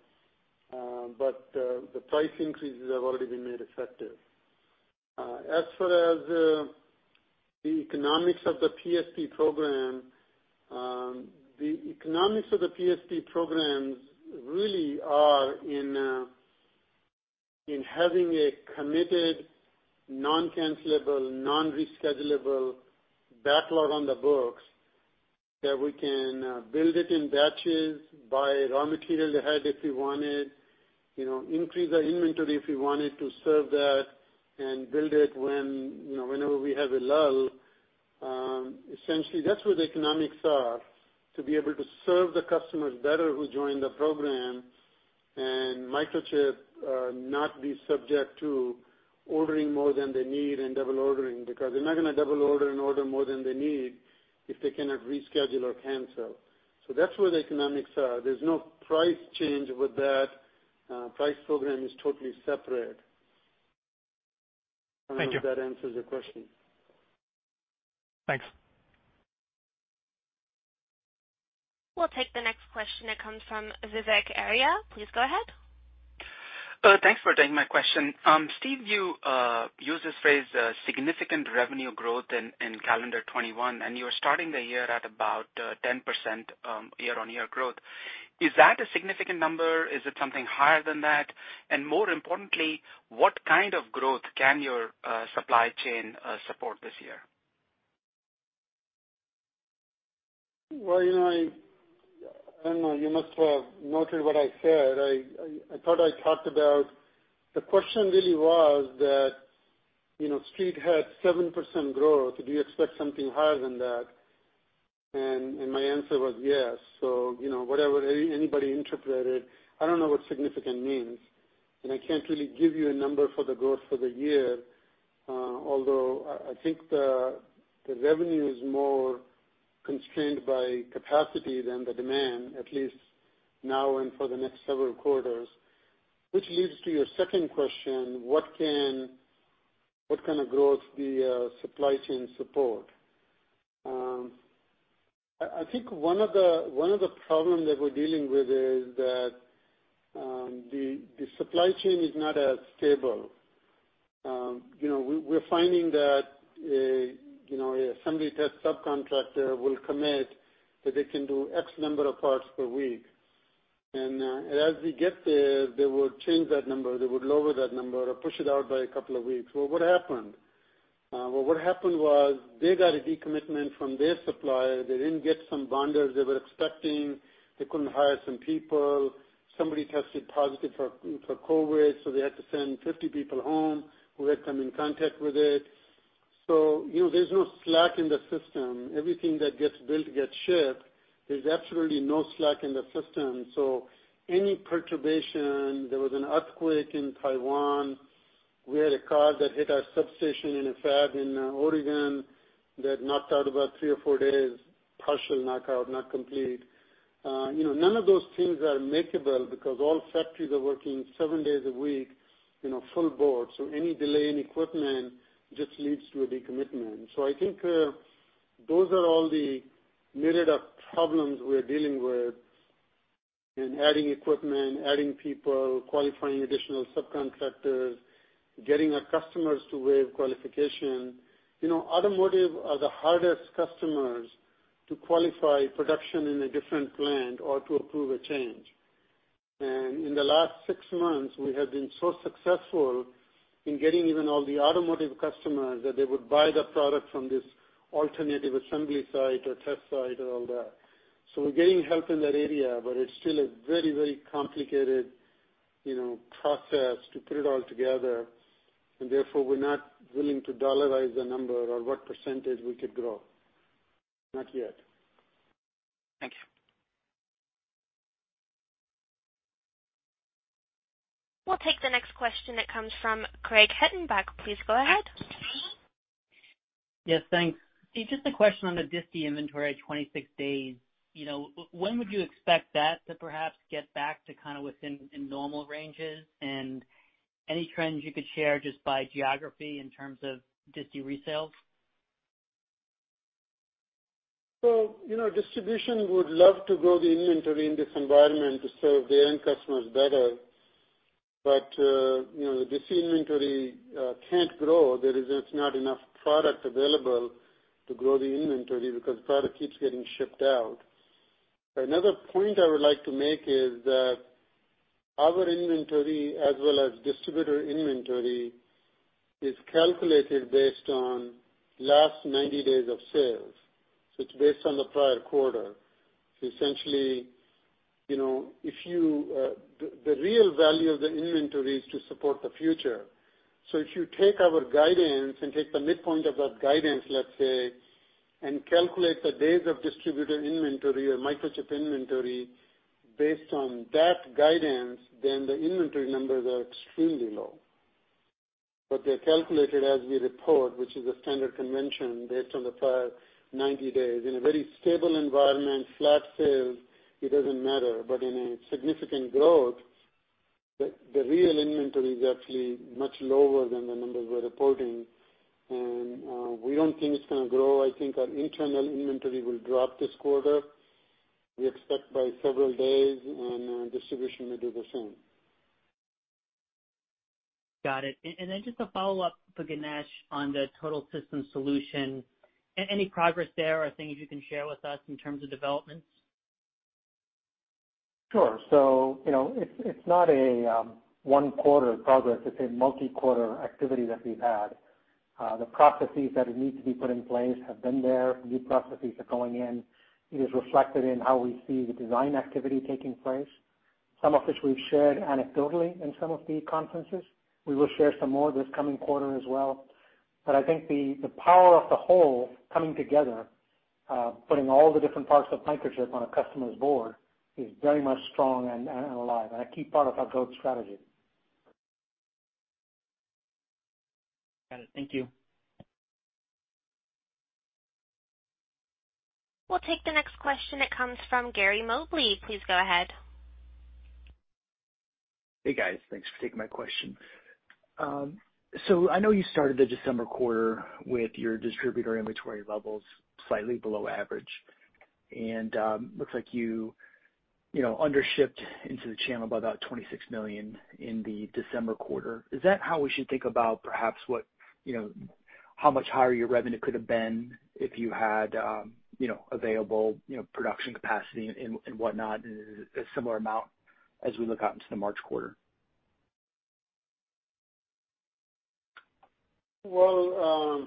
Speaker 4: The price increases have already been made effective. As for the economics of the PSP program, the economics of the PSP programs really are in having a committed, non-cancelable, non-reschedulable backlog on the books that we can build it in batches, buy raw material ahead if we wanted, increase our inventory if we wanted to serve that, and build it whenever we have a lull. Essentially, that's where the economics are, to be able to serve the customers better who join the program and Microchip not be subject to ordering more than they need and double ordering, because they're not going to double order and order more than they need if they cannot reschedule or cancel. That's where the economics are. There's no price change with that. Price program is totally separate. I don't know if that answers your question.
Speaker 6: Thanks.
Speaker 1: We'll take the next question that comes from Vivek Arya. Please go ahead.
Speaker 7: Thanks for taking my question. Steve, you used this phrase, significant revenue growth in calendar 2021, and you're starting the year at about 10% year-on-year growth. Is that a significant number? Is it something higher than that? More importantly, what kind of growth can your supply chain support this year?
Speaker 4: Well, I don't know. You must have noted what I said. I thought I talked about. The question really was that Street had 7% growth. Do you expect something higher than that? My answer was yes. Whatever anybody interpreted, I don't know what significant means, and I can't really give you a number for the growth for the year, although I think the revenue is more constrained by capacity than the demand, at least now and for the next several quarters. Which leads to your second question, what kind of growth the supply chain support? I think one of the problem that we're dealing with is that the supply chain is not as stable. We're finding that a assembly test subcontractor will commit that they can do X number of parts per week. As we get there, they would change that number, they would lower that number or push it out by a couple of weeks. What happened? What happened was they got a decommitment from their supplier. They didn't get some bonders they were expecting. They couldn't hire some people. Somebody tested positive for COVID, so they had to send 50 people home who had come in contact with it. There's no slack in the system. Everything that gets built gets shipped. There's absolutely no slack in the system. Any perturbation, there was an earthquake in Taiwan. We had a car that hit our substation in a fab in Oregon that knocked out about three or four days, partial knockout, not complete. None of those things are makeable because all factories are working seven days a week, full board. Any delay in equipment just leads to a decommitment. I think those are all the myriad of problems we're dealing with in adding equipment, adding people, qualifying additional subcontractors, getting our customers to waive qualification. Automotive are the hardest customers to qualify production in a different plant or to approve a change. In the last six months, we have been so successful in getting even all the Automotive customers that they would buy the product from this alternative assembly site or test site and all that. We're getting help in that area, but it's still a very complicated process to put it all together, and therefore, we're not willing to dollarize the number or what percentage we could grow. Not yet.
Speaker 7: Thank you.
Speaker 1: We'll take the next question that comes from Craig Hettenbach. Please go ahead.
Speaker 8: Yes, thanks. Just a question on the disti inventory, 26 days. When would you expect that to perhaps get back to kind of within normal ranges? Any trends you could share just by geography in terms of disti resales?
Speaker 4: Distribution would love to grow the inventory in this environment to serve their end customers better. This inventory can't grow. There is just not enough product available to grow the inventory because product keeps getting shipped out. Another point I would like to make is that our inventory as well as distributor inventory is calculated based on last 90 days of sales. It's based on the prior quarter. Essentially, the real value of the inventory is to support the future. If you take our guidance and take the midpoint of that guidance, let's say, and calculate the days of distributor inventory or Microchip inventory based on that guidance, then the inventory numbers are extremely low. They're calculated as we report, which is a standard convention based on the prior 90 days. In a very stable environment, flat sales, it doesn't matter. In a significant growth, the real inventory is actually much lower than the numbers we're reporting. We don't think it's going to grow. I think our internal inventory will drop this quarter, we expect by several days, and distribution may do the same.
Speaker 8: Got it. Just a follow-up for Ganesh on the Total System Solution. Any progress there or things you can share with us in terms of developments?
Speaker 3: Sure. It's not a one quarter progress, it's a multi-quarter activity that we've had. The processes that need to be put in place have been there. New processes are going in. It is reflected in how we see the design activity taking place, some of which we've shared anecdotally in some of the conferences. We will share some more this coming quarter as well. I think the power of the whole coming together, putting all the different parts of Microchip on a customer's board is very much strong and alive, and a key part of our growth strategy.
Speaker 8: Got it. Thank you.
Speaker 1: We'll take the next question. It comes from Gary Mobley. Please go ahead.
Speaker 9: Hey, guys. Thanks for taking my question. I know you started the December quarter with your distributor inventory levels slightly below average, and looks like you undershipped into the channel by about $26 million in the December quarter. Is that how we should think about perhaps how much higher your revenue could have been if you had available production capacity and whatnot, and a similar amount as we look out into the March quarter?
Speaker 4: Well,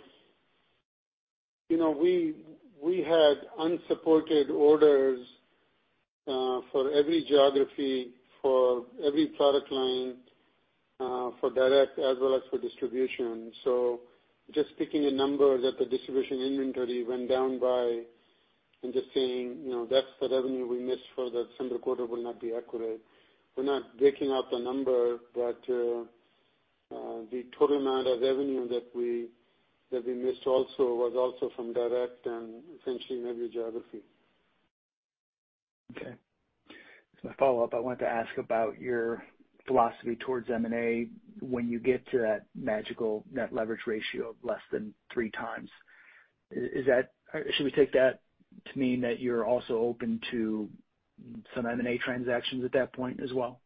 Speaker 4: we had unsupported orders for every geography, for every product line, for direct as well as for distribution. Just picking a number that the distribution inventory went down by and just saying, "That's the revenue we missed for the December quarter," would not be accurate. We're not breaking out the number, but the total amount of revenue that we missed was also from direct and essentially in every geography.
Speaker 9: Okay. As my follow-up, I wanted to ask about your philosophy towards M&A when you get to that magical net leverage ratio of less than 3x. Should we take that to mean that you're also open to some M&A transactions at that point as well?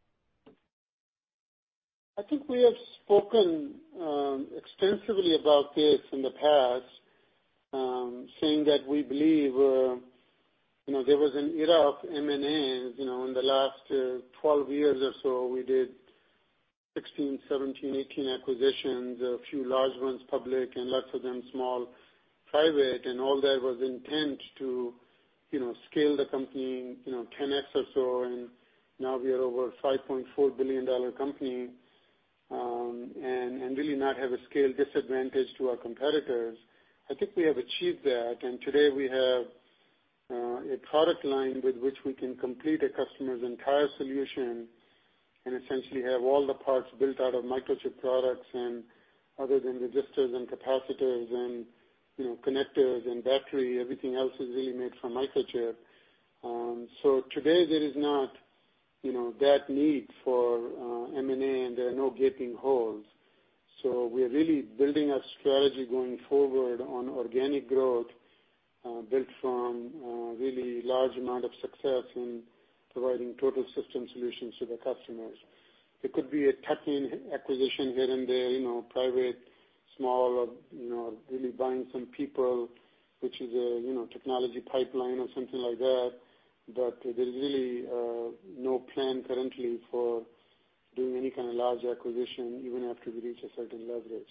Speaker 4: I think we have spoken extensively about this in the past, saying that we believe there was an era of M&As. In the last 12 years or so, we did 16, 17, 18 acquisitions, a few large ones public and lots of them small, private, and all that was intent to scale the company 10x, or so, and now we are over $5.4 billion company, and really not have a scale disadvantage to our competitors. I think we have achieved that, and today we have a product line with which we can complete a customer's entire solution and essentially have all the parts built out of Microchip products and other than resistors and capacitors and connectors and battery, everything else is really made from Microchip. Today, there is not that need for M&A, and there are no gaping holes. We are really building a strategy going forward on organic growth, built from a really large amount of success in providing total system solutions to the customers. It could be a tuck-in acquisition here and there, private, small, or really buying some people, which is a technology pipeline or something like that. There's really no plan currently for doing any kind of large acquisition, even after we reach a certain leverage.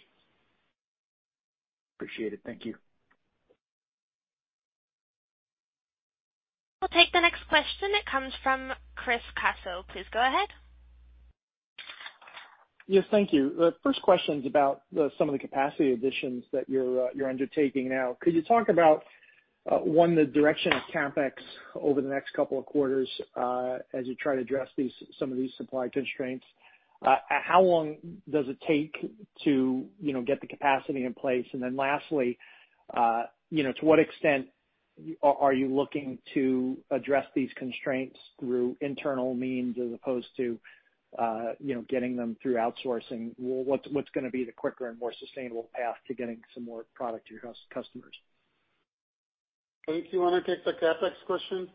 Speaker 9: Appreciate it. Thank you.
Speaker 1: We'll take the next question. It comes from Chris Caso. Please go ahead.
Speaker 10: Yes, thank you. The first question's about some of the capacity additions that you're undertaking now. Could you talk about, one, the direction of CapEx over the next couple of quarters, as you try to address some of these supply constraints? How long does it take to get the capacity in place? Then lastly, to what extent are you looking to address these constraints through internal means as opposed to getting them through outsourcing? What's going to be the quicker and more sustainable path to getting some more product to your customers?
Speaker 4: Eric, do you want to take the CapEx question?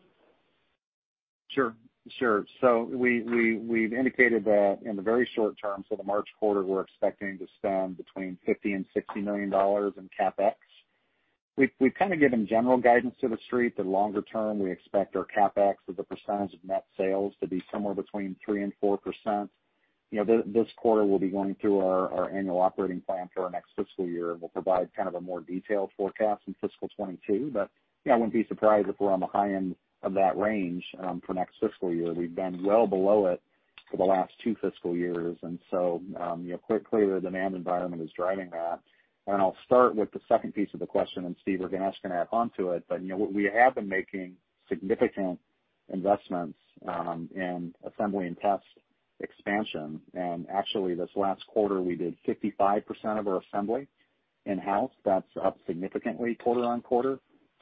Speaker 2: Sure. We've indicated that in the very short-term, the March quarter, we're expecting to spend between $50 million and $60 million in CapEx. We've kind of given general guidance to the street that longer term, we expect our CapEx as a percentage of net sales to be somewhere between 3% and 4%. This quarter, we'll be going through our annual operating plan for our next fiscal year, and we'll provide kind of a more detailed forecast in fiscal 2022. I wouldn't be surprised if we're on the high end of that range for next fiscal year. We've been well below it for the last two fiscal years. Quite clear the demand environment is driving that. I'll start with the second piece of the question, and Steve, we're going to ask you to add onto it. We have been making significant investments in assembly and test expansion. Actually, this last quarter, we did 55% of our assembly in-house. That's up significantly quarter-on-quarter.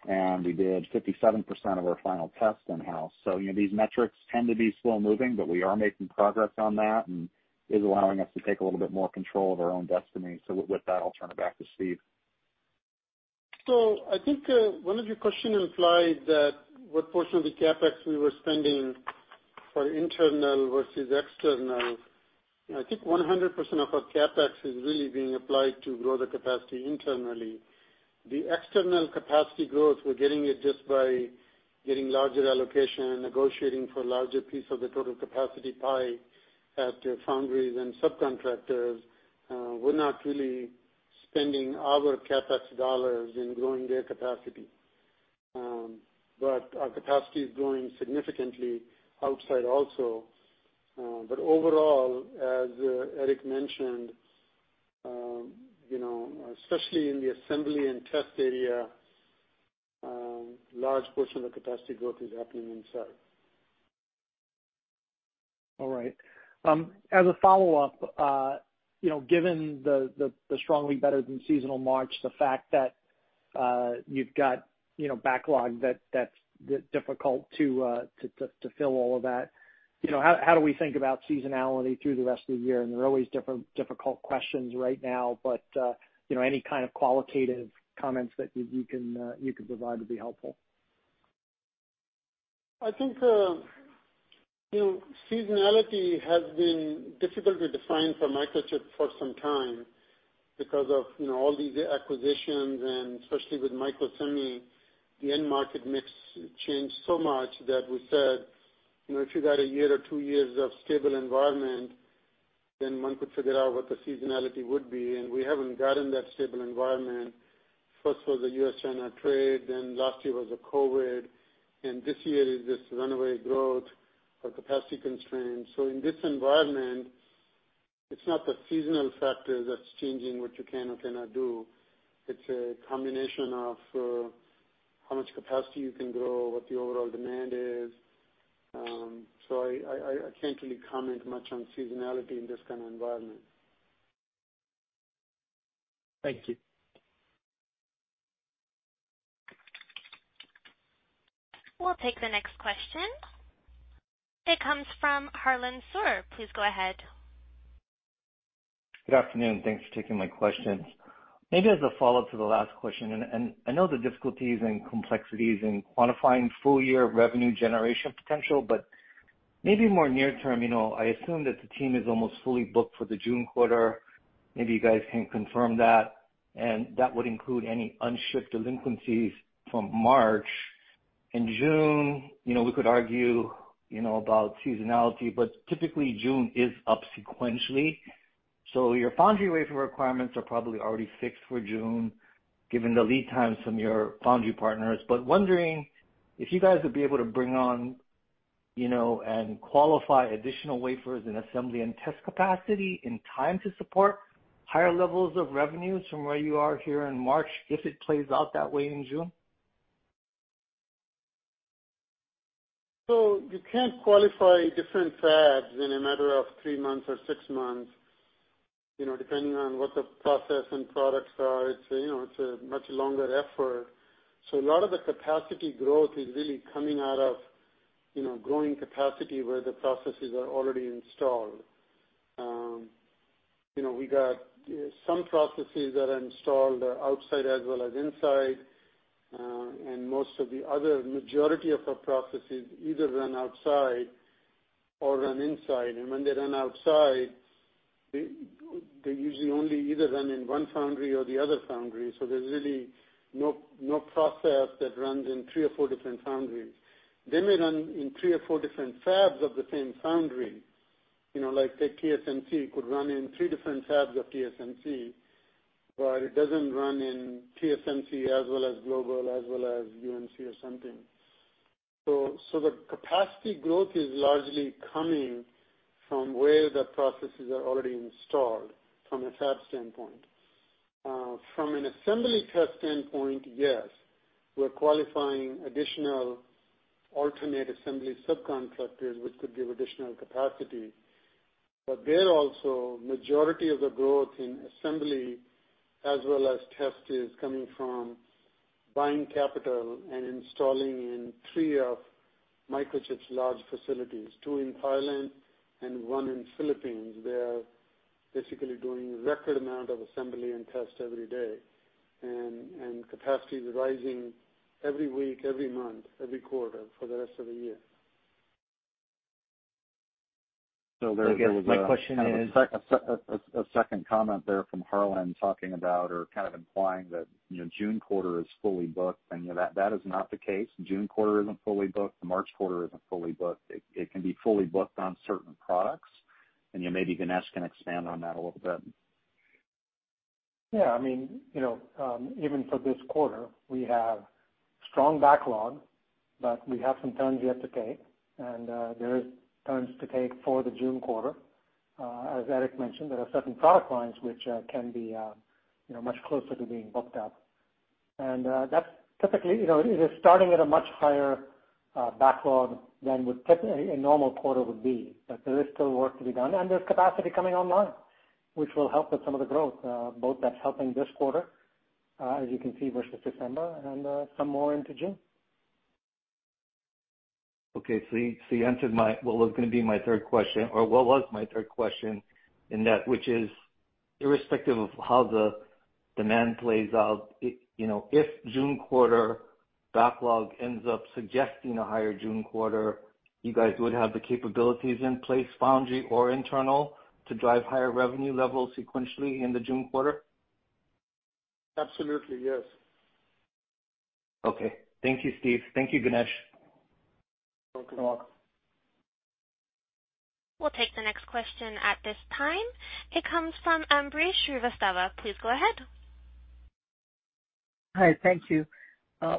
Speaker 2: We did 57% of our final test in-house. These metrics tend to be slow moving, but we are making progress on that, and is allowing us to take a little bit more control of our own destiny. With that, I'll turn it back to Steve.
Speaker 4: I think one of your question implied that what portion of the CapEx we were spending for internal versus external. I think 100% of our CapEx is really being applied to grow the capacity internally. The external capacity growth, we're getting it just by getting larger allocation and negotiating for a larger piece of the total capacity pie at the foundries and subcontractors. We're not really spending our CapEx dollars in growing their capacity. Our capacity is growing significantly outside also. Overall, as Eric mentioned, especially in the assembly and test area, large portion of the capacity growth is happening inside.
Speaker 10: All right. As a follow-up, given the strongly better than seasonal March, the fact that you've got backlog that's difficult to fill all of that, how do we think about seasonality through the rest of the year? They're always difficult questions right now, but any kind of qualitative comments that you can provide would be helpful.
Speaker 4: I think seasonality has been difficult to define for Microchip for some time because of all these acquisitions and especially with Microsemi, the end market mix changed so much that we said, if you got a year or two years of stable environment, then one could figure out what the seasonality would be, and we haven't gotten that stable environment. First was the U.S.-China trade, then last year was the COVID, and this year is this runaway growth or capacity constraints. In this environment, it's not the seasonal factor that's changing what you can or cannot do. It's a combination of how much capacity you can grow, what the overall demand is. I can't really comment much on seasonality in this kind of environment.
Speaker 10: Thank you.
Speaker 1: We'll take the next question. It comes from Harlan Sur. Please go ahead.
Speaker 11: Good afternoon. Thanks for taking my questions. Maybe as a follow-up to the last question, and I know the difficulties and complexities in quantifying full-year revenue generation potential, but maybe more near-term, I assume that the team is almost fully booked for the June quarter. Maybe you guys can confirm that, and that would include any unshipped delinquencies from March. In June, we could argue about seasonality, but typically June is up sequentially. Your foundry wafer requirements are probably already fixed for June, given the lead times from your foundry partners. Wondering if you guys would be able to bring on and qualify additional wafers in assembly and test capacity in time to support higher levels of revenues from where you are here in March, if it plays out that way in June?
Speaker 4: You can't qualify different fabs in a matter of three months or six months, depending on what the process and products are. It's a much longer effort. A lot of the capacity growth is really coming out of growing capacity where the processes are already installed. We got some processes that are installed outside as well as inside. Most of the other majority of our processes either run outside or run inside. When they run outside, they usually only either run in one foundry or the other foundry. There's really no process that runs in three or four different foundries. They may run in three or four different fabs of the same foundry, like take TSMC, could run in three different fabs of TSMC, but it doesn't run in TSMC as well as Global, as well as UMC or something. The capacity growth is largely coming from where the processes are already installed from a fab standpoint. From an assembly test standpoint, yes, we're qualifying additional alternate assembly subcontractors, which could give additional capacity. There also, majority of the growth in assembly as well as test is coming from buying CapEx and installing in three of Microchip's large facilities, two in Thailand and one in Philippines. They are basically doing record amount of assembly and test every day, and capacity is rising every week, every month, every quarter for the rest of the year.
Speaker 11: I guess my question is.
Speaker 2: Kind of a second comment there from Harlan talking about or kind of implying that June quarter is fully booked and that is not the case. June quarter isn't fully booked. The March quarter isn't fully booked. It can be fully booked on certain products, and maybe Ganesh can expand on that a little bit.
Speaker 3: Even for this quarter, we have strong backlog, but we have some turns yet to take, and there is turns to take for the June quarter. As Eric mentioned, there are certain product lines which can be much closer to being booked up. That's typically, it is starting at a much higher backlog than what typically a normal quarter would be. There is still work to be done, and there's capacity coming online, which will help with some of the growth, both that's helping this quarter, as you can see versus December, and some more into June.
Speaker 11: Okay. You answered what was going to be my third question or what was my third question in that, which is irrespective of how the demand plays out, if June quarter backlog ends up suggesting a higher June quarter, you guys would have the capabilities in place, foundry or internal, to drive higher revenue levels sequentially in the June quarter?
Speaker 4: Absolutely, yes.
Speaker 11: Okay. Thank you, Steve. Thank you, Ganesh.
Speaker 4: You're welcome.
Speaker 1: We'll take the next question at this time. It comes from Ambrish Srivastava. Please go ahead.
Speaker 12: Hi, thank you.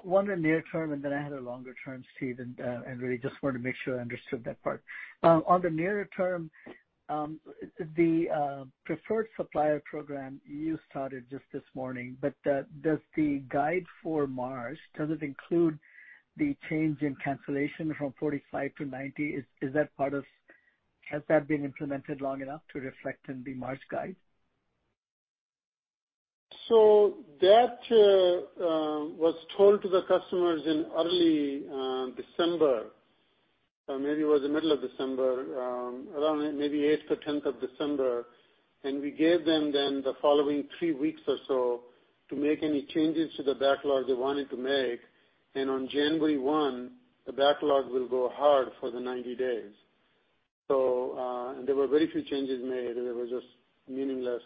Speaker 12: One on near-term, and then I had a longer-term, Steve and Andre, just wanted to make sure I understood that part. On the nearer-term, the Preferred Supply program you started just this morning, does the guide for March include the change in cancellation from 45 to 90? Has that been implemented long enough to reflect in the March guide?
Speaker 4: That was told to the customers in early December, maybe it was the middle of December, around maybe 8th or 10th of December, and we gave them then the following three weeks or so to make any changes to the backlog they wanted to make. On January 1, the backlog will go hard for the 90 days. There were very few changes made, and they were just meaningless,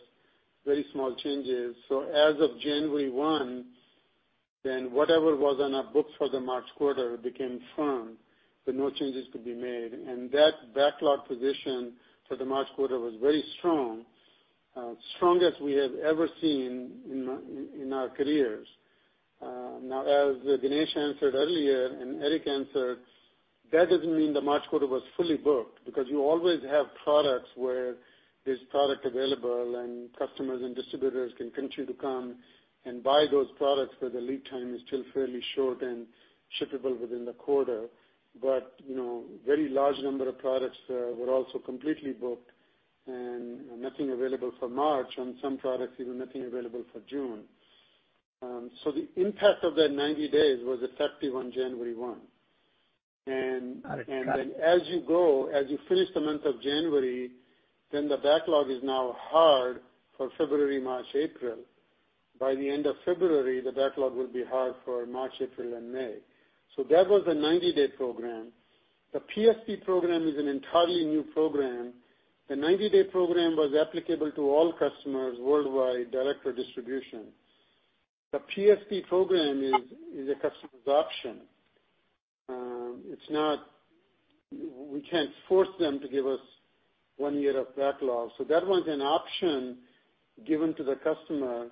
Speaker 4: very small changes. As of January 1, then whatever was on our books for the March quarter became firm, that no changes could be made. That backlog position for the March quarter was very strong, strongest we have ever seen in our careers. As Ganesh answered earlier and Eric answered, that doesn't mean the March quarter was fully booked because you always have products where there's product available and customers and distributors can continue to come and buy those products where the lead time is still fairly short and shippable within the quarter. Very large number of products were also completely booked and nothing available for March, on some products even nothing available for June. The impact of that 90 days was effective on January 1. As you go, as you finish the month of January, then the backlog is now hard for February, March, April. By the end of February, the backlog will be hard for March, April, and May. That was a 90-day program. The PSP program is an entirely new program. The 90-day program was applicable to all customers worldwide, direct or distribution. The PSP program is a customer's option. We can't force them to give us one year of backlog. That one's an option given to the customer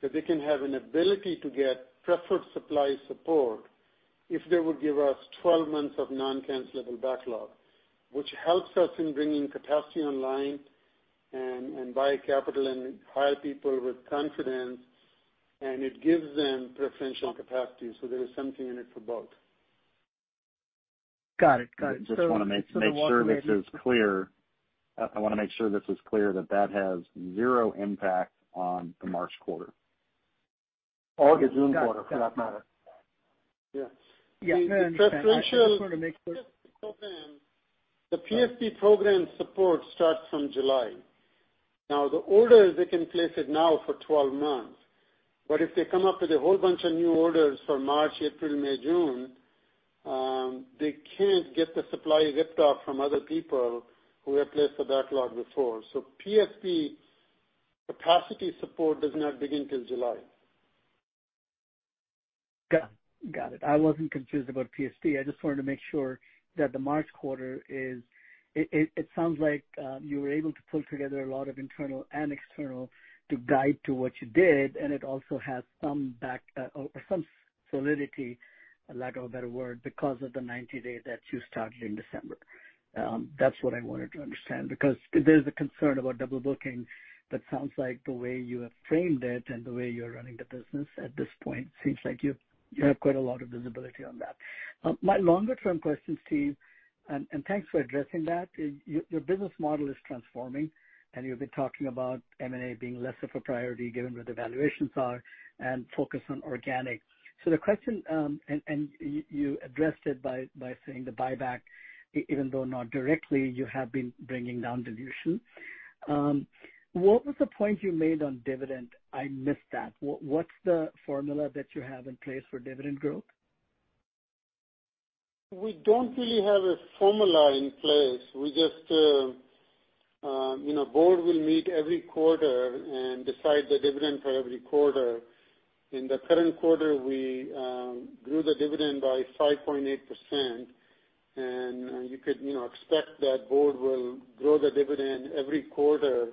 Speaker 4: that they can have an ability to get Preferred Supply support if they would give us 12 months of non-cancelable backlog, which helps us in bringing capacity online and buy capital and hire people with confidence. It gives them preferential capacity. There is something in it for both.
Speaker 12: Got it.
Speaker 2: Just want to make sure this is clear. I want to make sure this is clear that that has zero impact on the March quarter, the June quarter, for that matter.
Speaker 4: Yes.
Speaker 12: Yeah, I understand. I just wanted to make sure.
Speaker 4: The PSP program support starts from July. The orders, they can place it now for 12 months, but if they come up with a whole bunch of new orders for March, April, May, June, they can't get the supply ripped off from other people who have placed the backlog before. PSP capacity support does not begin till July.
Speaker 12: Got it. I wasn't confused about PSP. I just wanted to make sure that the March quarter. It sounds like you were able to pull together a lot of internal and external to guide to what you did, and it also has some solidity, lack of a better word, because of the 90-day that you started in December. That's what I wanted to understand, because there's a concern about double booking. Sounds like the way you have framed it and the way you're running the business at this point seems like you have quite a lot of visibility on that. My longer-term questions, Steve. Thanks for addressing that. Your business model is transforming. You've been talking about M&A being less of a priority given where the valuations are, and focus on organic. The question, and you addressed it by saying the buyback, even though not directly, you have been bringing down dilution. What was the point you made on dividend? I missed that. What's the formula that you have in place for dividend growth?
Speaker 4: We don't really have a formula in place. Board will meet every quarter and decide the dividend for every quarter. In the current quarter, we grew the dividend by 5.8%, and you could expect that Board will grow the dividend every quarter.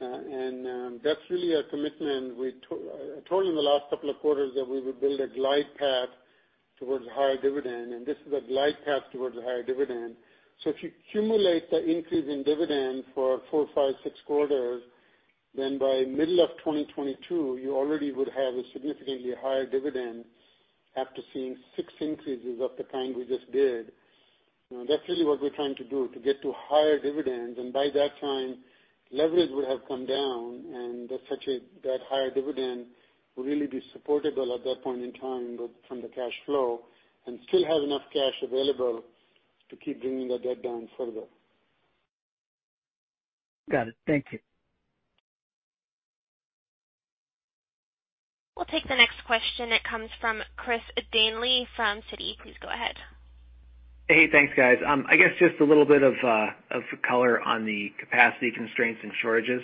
Speaker 4: That's really a commitment. I told you in the last couple of quarters that we would build a glide path towards a higher dividend, and this is a glide path towards a higher dividend. If you cumulate the increase in dividend for four, five, six quarters, then by middle of 2022, you already would have a significantly higher dividend after seeing six increases of the kind we just did. That's really what we're trying to do, to get to higher dividends. By that time, leverage would have come down, and that higher dividend will really be supportable at that point in time from the cash flow and still have enough cash available to keep bringing the debt down further.
Speaker 12: Got it. Thank you.
Speaker 1: We'll take the next question. It comes from Chris Danely from Citi. Please go ahead.
Speaker 13: Hey, thanks, guys. I guess just a little bit of color on the capacity constraints and shortages.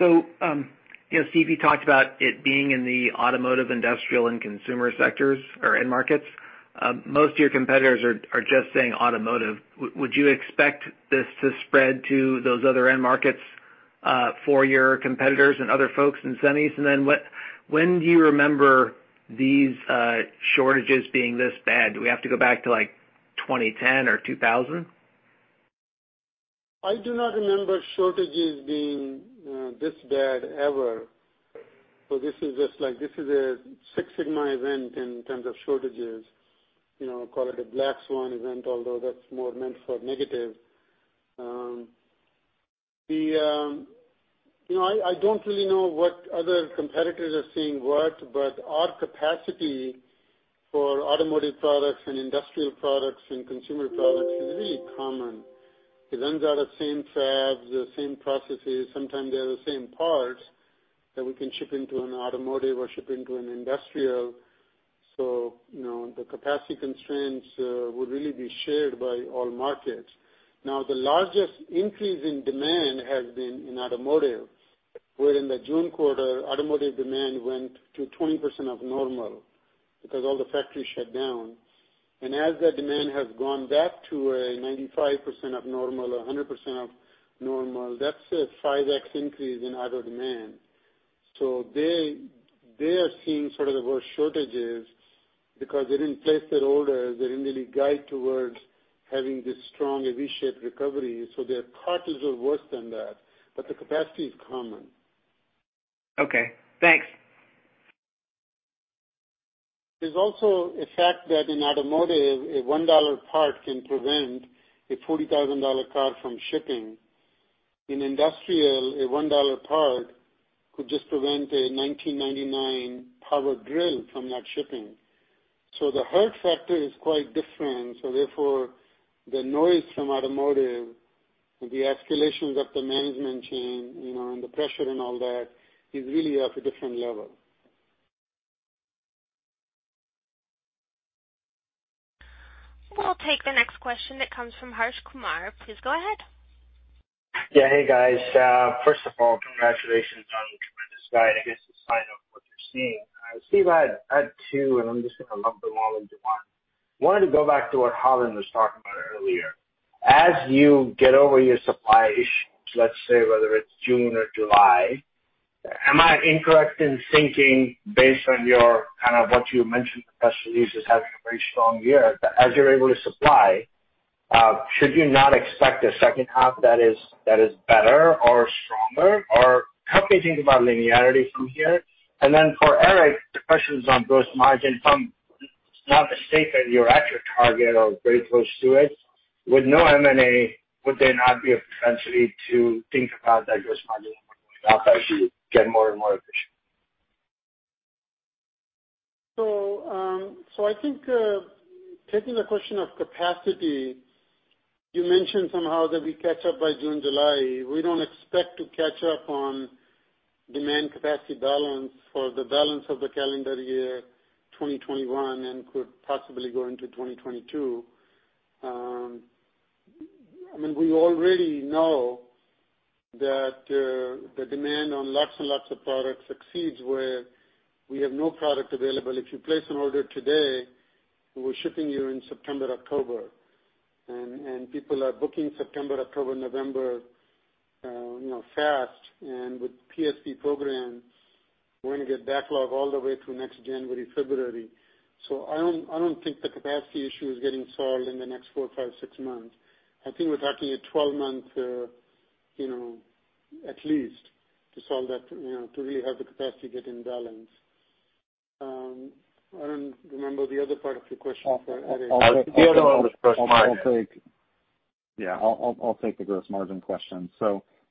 Speaker 13: Steve, you talked about it being in the Automotive, Industrial, and Consumer sectors or end markets. Most of your competitors are just saying Automotive. Would you expect this to spread to those other end markets for your competitors and other folks in semis? When do you remember these shortages being this bad? Do we have to go back to 2010 or 2000?
Speaker 4: I do not remember shortages being this bad ever. This is a Six Sigma event in terms of shortages. Call it a black swan event, although that's more meant for negative. I don't really know what other competitors are seeing what, but our capacity for Automotive products and Industrial products and Consumer products is really common. It runs out of same fabs, the same processes, sometimes they're the same parts that we can ship into an Automotive or ship into an Industrial. The capacity constraints would really be shared by all markets. The largest increase in demand has been in Automotive, where in the June quarter, automotive demand went to 20% of normal because all the factories shut down. As that demand has gone back to a 95% of normal or 100% of normal, that's a 5x increase in auto demand. They are seeing sort of the worst shortages because they didn't place their orders. They didn't really guide towards having this strong V-shaped recovery. Their cut is worse than that, but the capacity is common.
Speaker 13: Okay, thanks.
Speaker 4: There's also a fact that in Automotive, a $1 part can prevent a $40,000 car from shipping. In Industrial, a $1 part could just prevent a $19.99 power drill from not shipping. The hurt factor is quite different. Therefore, the noise from Automotive, the escalations up the management chain, and the pressure and all that, is really of a different level.
Speaker 1: We'll take the next question that comes from Harsh Kumar. Please go ahead.
Speaker 14: Yeah. Hey, guys. First of all, congratulations on tremendous guidance seeing. Steve, I had two. I'm just going to lump them all into one. I wanted to go back to what Harlan was talking about earlier. As you get over your supply issues, let's say, whether it's June or July, am I incorrect in thinking, based on what you mentioned, the test releases having a very strong year, that as you're able to supply, should you not expect a second half that is better or stronger? Help me think about linearity from here. Then for Eric, the question is on gross margin from not the state that you're at your target or very close to it. With no M&A, would there not be a propensity to think about that gross margin going up as you get more and more efficient?
Speaker 4: I think, taking the question of capacity, you mentioned somehow that we catch up by June, July. We don't expect to catch up on demand capacity balance for the balance of the calendar year 2021 and could possibly go into 2022. We already know that the demand on lots and lots of products exceeds where we have no product available. If you place an order today, we're shipping you in September, October, and people are booking September, October, November fast. With PSP programs, we're going to get backlog all the way through next January, February. I don't think the capacity issue is getting solved in the next four, five, six months. I think we're talking a 12 months, at least, to really have the capacity get in balance. I don't remember the other part of your question for Eric.
Speaker 14: The other one was gross margin.
Speaker 2: Yeah, I'll take the gross margin question.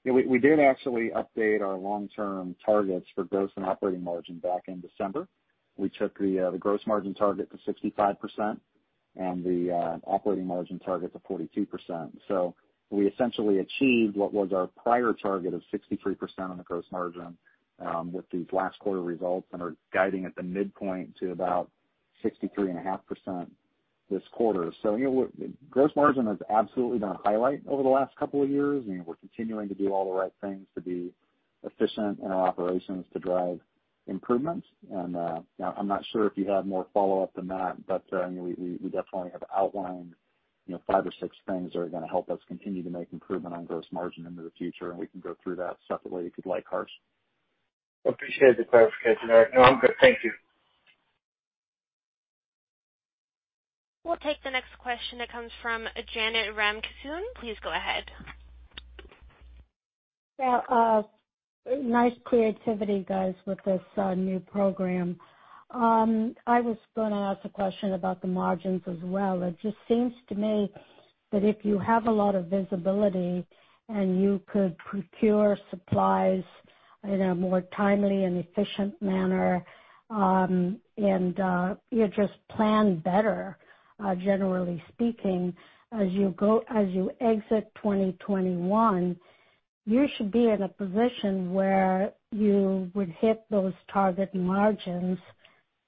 Speaker 2: We did actually update our long-term targets for gross and operating margin back in December. We took the gross margin target to 65% and the operating margin target to 42%. We essentially achieved what was our prior target of 63% on the gross margin with these last quarter results and are guiding at the midpoint to about 63.5% this quarter. Gross margin has absolutely been a highlight over the last couple of years, and we're continuing to do all the right things to be efficient in our operations to drive improvements. I'm not sure if you have more follow-up than that, but we definitely have outlined five or six things that are going to help us continue to make improvement on gross margin into the future, and we can go through that separately if you'd like, Harsh.
Speaker 14: Appreciate the clarification, Eric. No, I'm good. Thank you.
Speaker 1: We'll take the next question that comes from Janet Ramkissoon. Please go ahead.
Speaker 15: Yeah. Nice creativity, guys, with this new program. I was going to ask a question about the margins as well. It just seems to me that if you have a lot of visibility and you could procure supplies in a more timely and efficient manner, and you just plan better, generally speaking, as you exit 2021, you should be in a position where you would hit those target margins.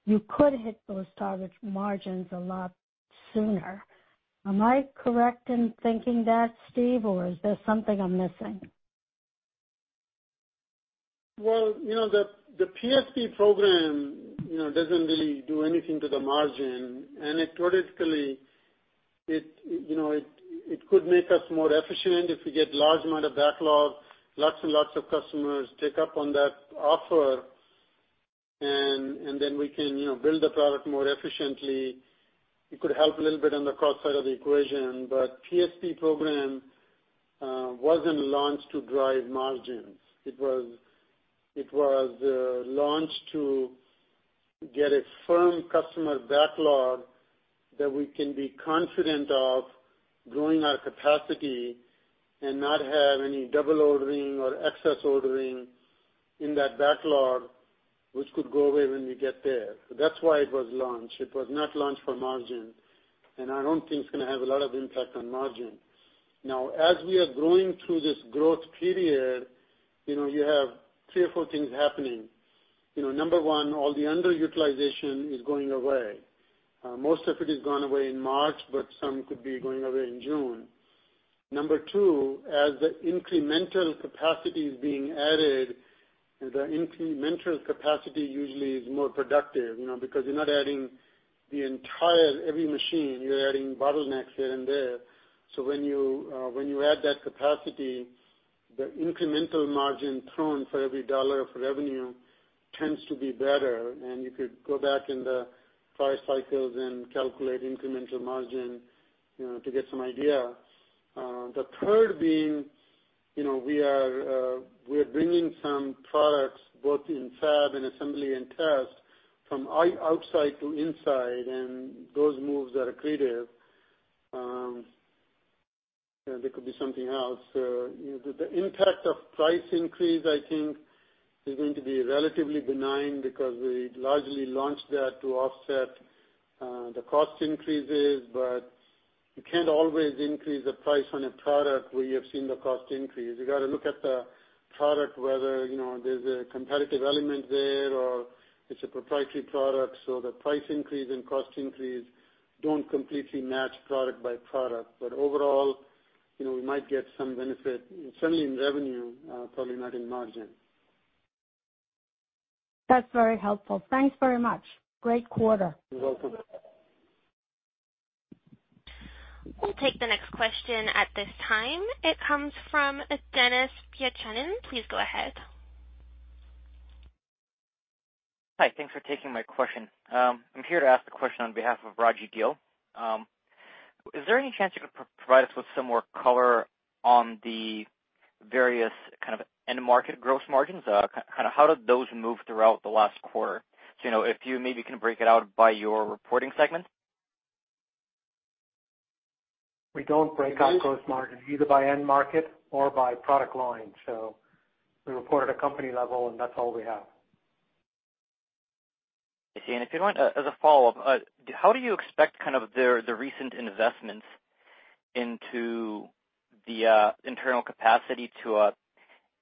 Speaker 15: You could hit those target margins a lot sooner. Am I correct in thinking that, Steve, or is there something I'm missing?
Speaker 4: Well, the PSP program doesn't really do anything to the margin. It theoretically could make us more efficient if we get large amount of backlog, lots and lots of customers take up on that offer, we can build the product more efficiently. It could help a little bit on the cost side of the equation. PSP program wasn't launched to drive margins. It was launched to get a firm customer backlog that we can be confident of growing our capacity and not have any double ordering or excess ordering in that backlog, which could go away when we get there. That's why it was launched. It was not launched for margin, and I don't think it's going to have a lot of impact on margin. Now, as we are growing through this growth period, you have three or four things happening. Number one, all the underutilization is going away. Most of it is gone away in March, but some could be going away in June. Number two, as the incremental capacity is being added, the incremental capacity usually is more productive, because you're not adding the entire every machine, you're adding bottlenecks here and there. When you add that capacity, the incremental margin thrown for every dollar of revenue tends to be better, and you could go back in the prior cycles and calculate incremental margin to get some idea. The third being, we are bringing some products both in fab and assembly and test from outside to inside, and those moves are accretive. There could be something else. The impact of price increase, I think, is going to be relatively benign because we largely launched that to offset the cost increases. You can't always increase the price on a product where you have seen the cost increase. You got to look at the product, whether there's a competitive element there or it's a proprietary product. The price increase and cost increase don't completely match product by product. Overall, we might get some benefit, certainly in revenue, probably not in margin.
Speaker 15: That's very helpful. Thanks very much. Great quarter.
Speaker 4: You're welcome.
Speaker 1: We'll take the next question at this time. It comes from Dennis Pyatchanin. Please go ahead.
Speaker 16: Hi. Thanks for taking my question. I'm here to ask the question on behalf of Raji Gill. Is there any chance you could provide us with some more color on the various kind of end market gross margins? Kind of how did those move throughout the last quarter? If you maybe can break it out by your reporting segment.
Speaker 4: We don't break out gross margins, either by end market or by product line. We report at a company level, and that's all we have.
Speaker 16: I see. If you don't, as a follow-up, how do you expect kind of the recent investments into the internal capacity to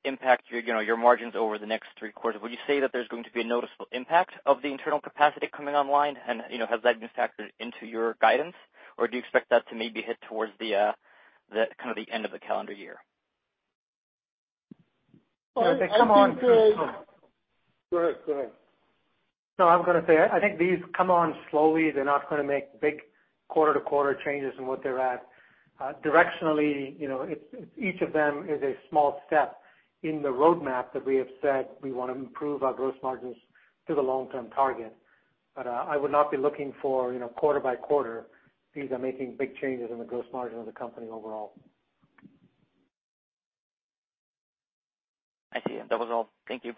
Speaker 16: impact your margins over the next three quarters? Would you say that there's going to be a noticeable impact of the internal capacity coming online, and has that been factored into your guidance, or do you expect that to maybe hit towards the kind of the end of the calendar year?
Speaker 4: Go ahead.
Speaker 3: No, I was going to say, I think these come on slowly. They're not going to make big quarter-to-quarter changes in what they're at. Directionally, each of them is a small step in the roadmap that we have said we want to improve our gross margins to the long-term target. I would not be looking for quarter-by-quarter these are making big changes in the gross margin of the company overall.
Speaker 16: I see. That was all. Thank you.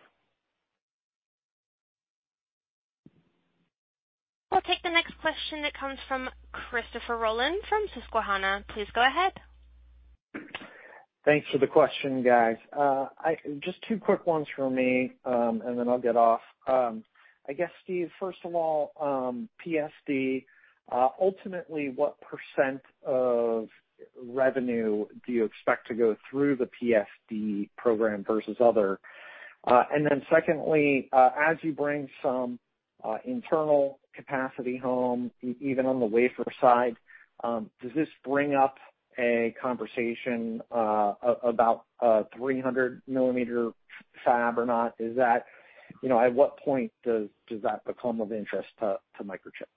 Speaker 1: We'll take the next question that comes from Christopher Rolland from Susquehanna. Please go ahead.
Speaker 17: Thanks for the question, guys. Just two quick ones from me, and then I'll get off. I guess, Steve, first of all, PSP, ultimately, what percent of revenue do you expect to go through the PSP program versus other? Secondly, as you bring some internal capacity home, even on the wafer side, does this bring up a conversation about a 300 mm fab or not? At what point does that become of interest to Microchip?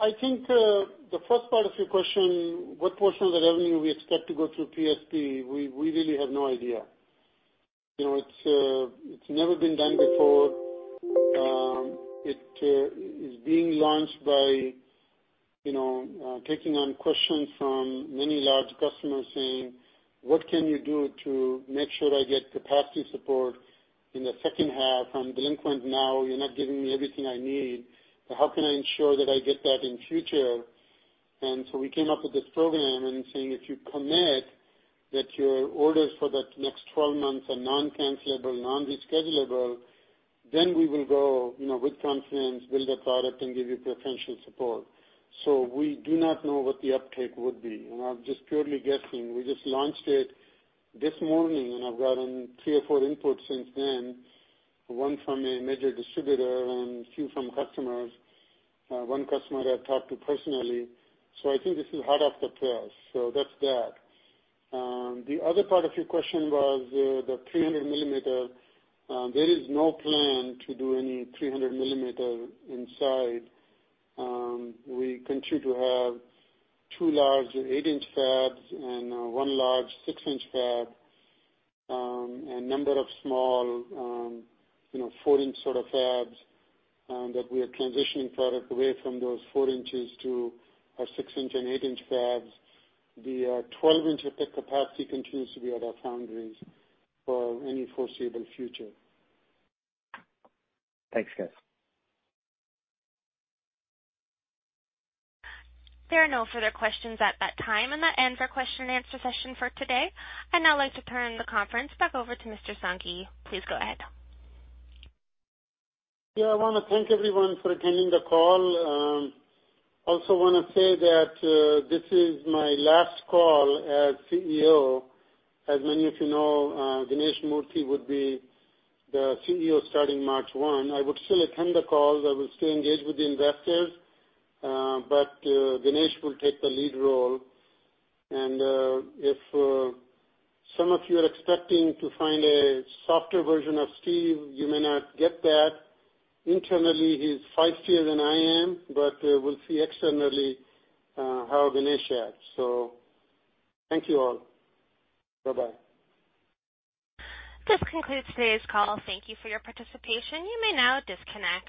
Speaker 4: I think the first part of your question, what portion of the revenue we expect to go through PSP, we really have no idea. It's never been done before. It is being launched by taking on questions from many large customers saying, "What can you do to make sure I get capacity support in the second half? I'm delinquent now. You're not giving me everything I need. So how can I ensure that I get that in future?" We came up with this program and saying, if you commit that your orders for the next 12 months are non-cancelable, non-reschedulable, then we will go with confidence, build a product, and give you preferential support. We do not know what the uptake would be, and I'm just purely guessing. We just launched it this morning. I've gotten three or four inputs since then, one from a major distributor and a few from customers, one customer that I've talked to personally. I think this is hot off the press. That's that. The other part of your question was the 300 mm. There is no plan to do any 300 mm inside. We continue to have two large 8 in fabs and one large 6 in fab, and number of small 4 in sort of fabs that we are transitioning product away from those 4 in to our 6 in and 8 in fabs. The 12 in EP capacity continues to be at our foundries for any foreseeable future.
Speaker 17: Thanks, guys.
Speaker 1: There are no further questions at that time. That ends our question and answer session for today. I'd now like to turn the conference back over to Mr. Sanghi. Please go ahead.
Speaker 4: Yeah, I want to thank everyone for attending the call. I also want to say that this is my last call as CEO. As many of you know, Ganesh Moorthy would be the CEO starting March 1. I would still attend the calls. I will still engage with the investors. Ganesh will take the lead role. If some of you are expecting to find a softer version of Steve, you may not get that. Internally, he's feistier than I am, but we'll see externally how Ganesh acts. Thank you all. Bye-bye.
Speaker 1: This concludes today's call. Thank you for your participation. You may now disconnect.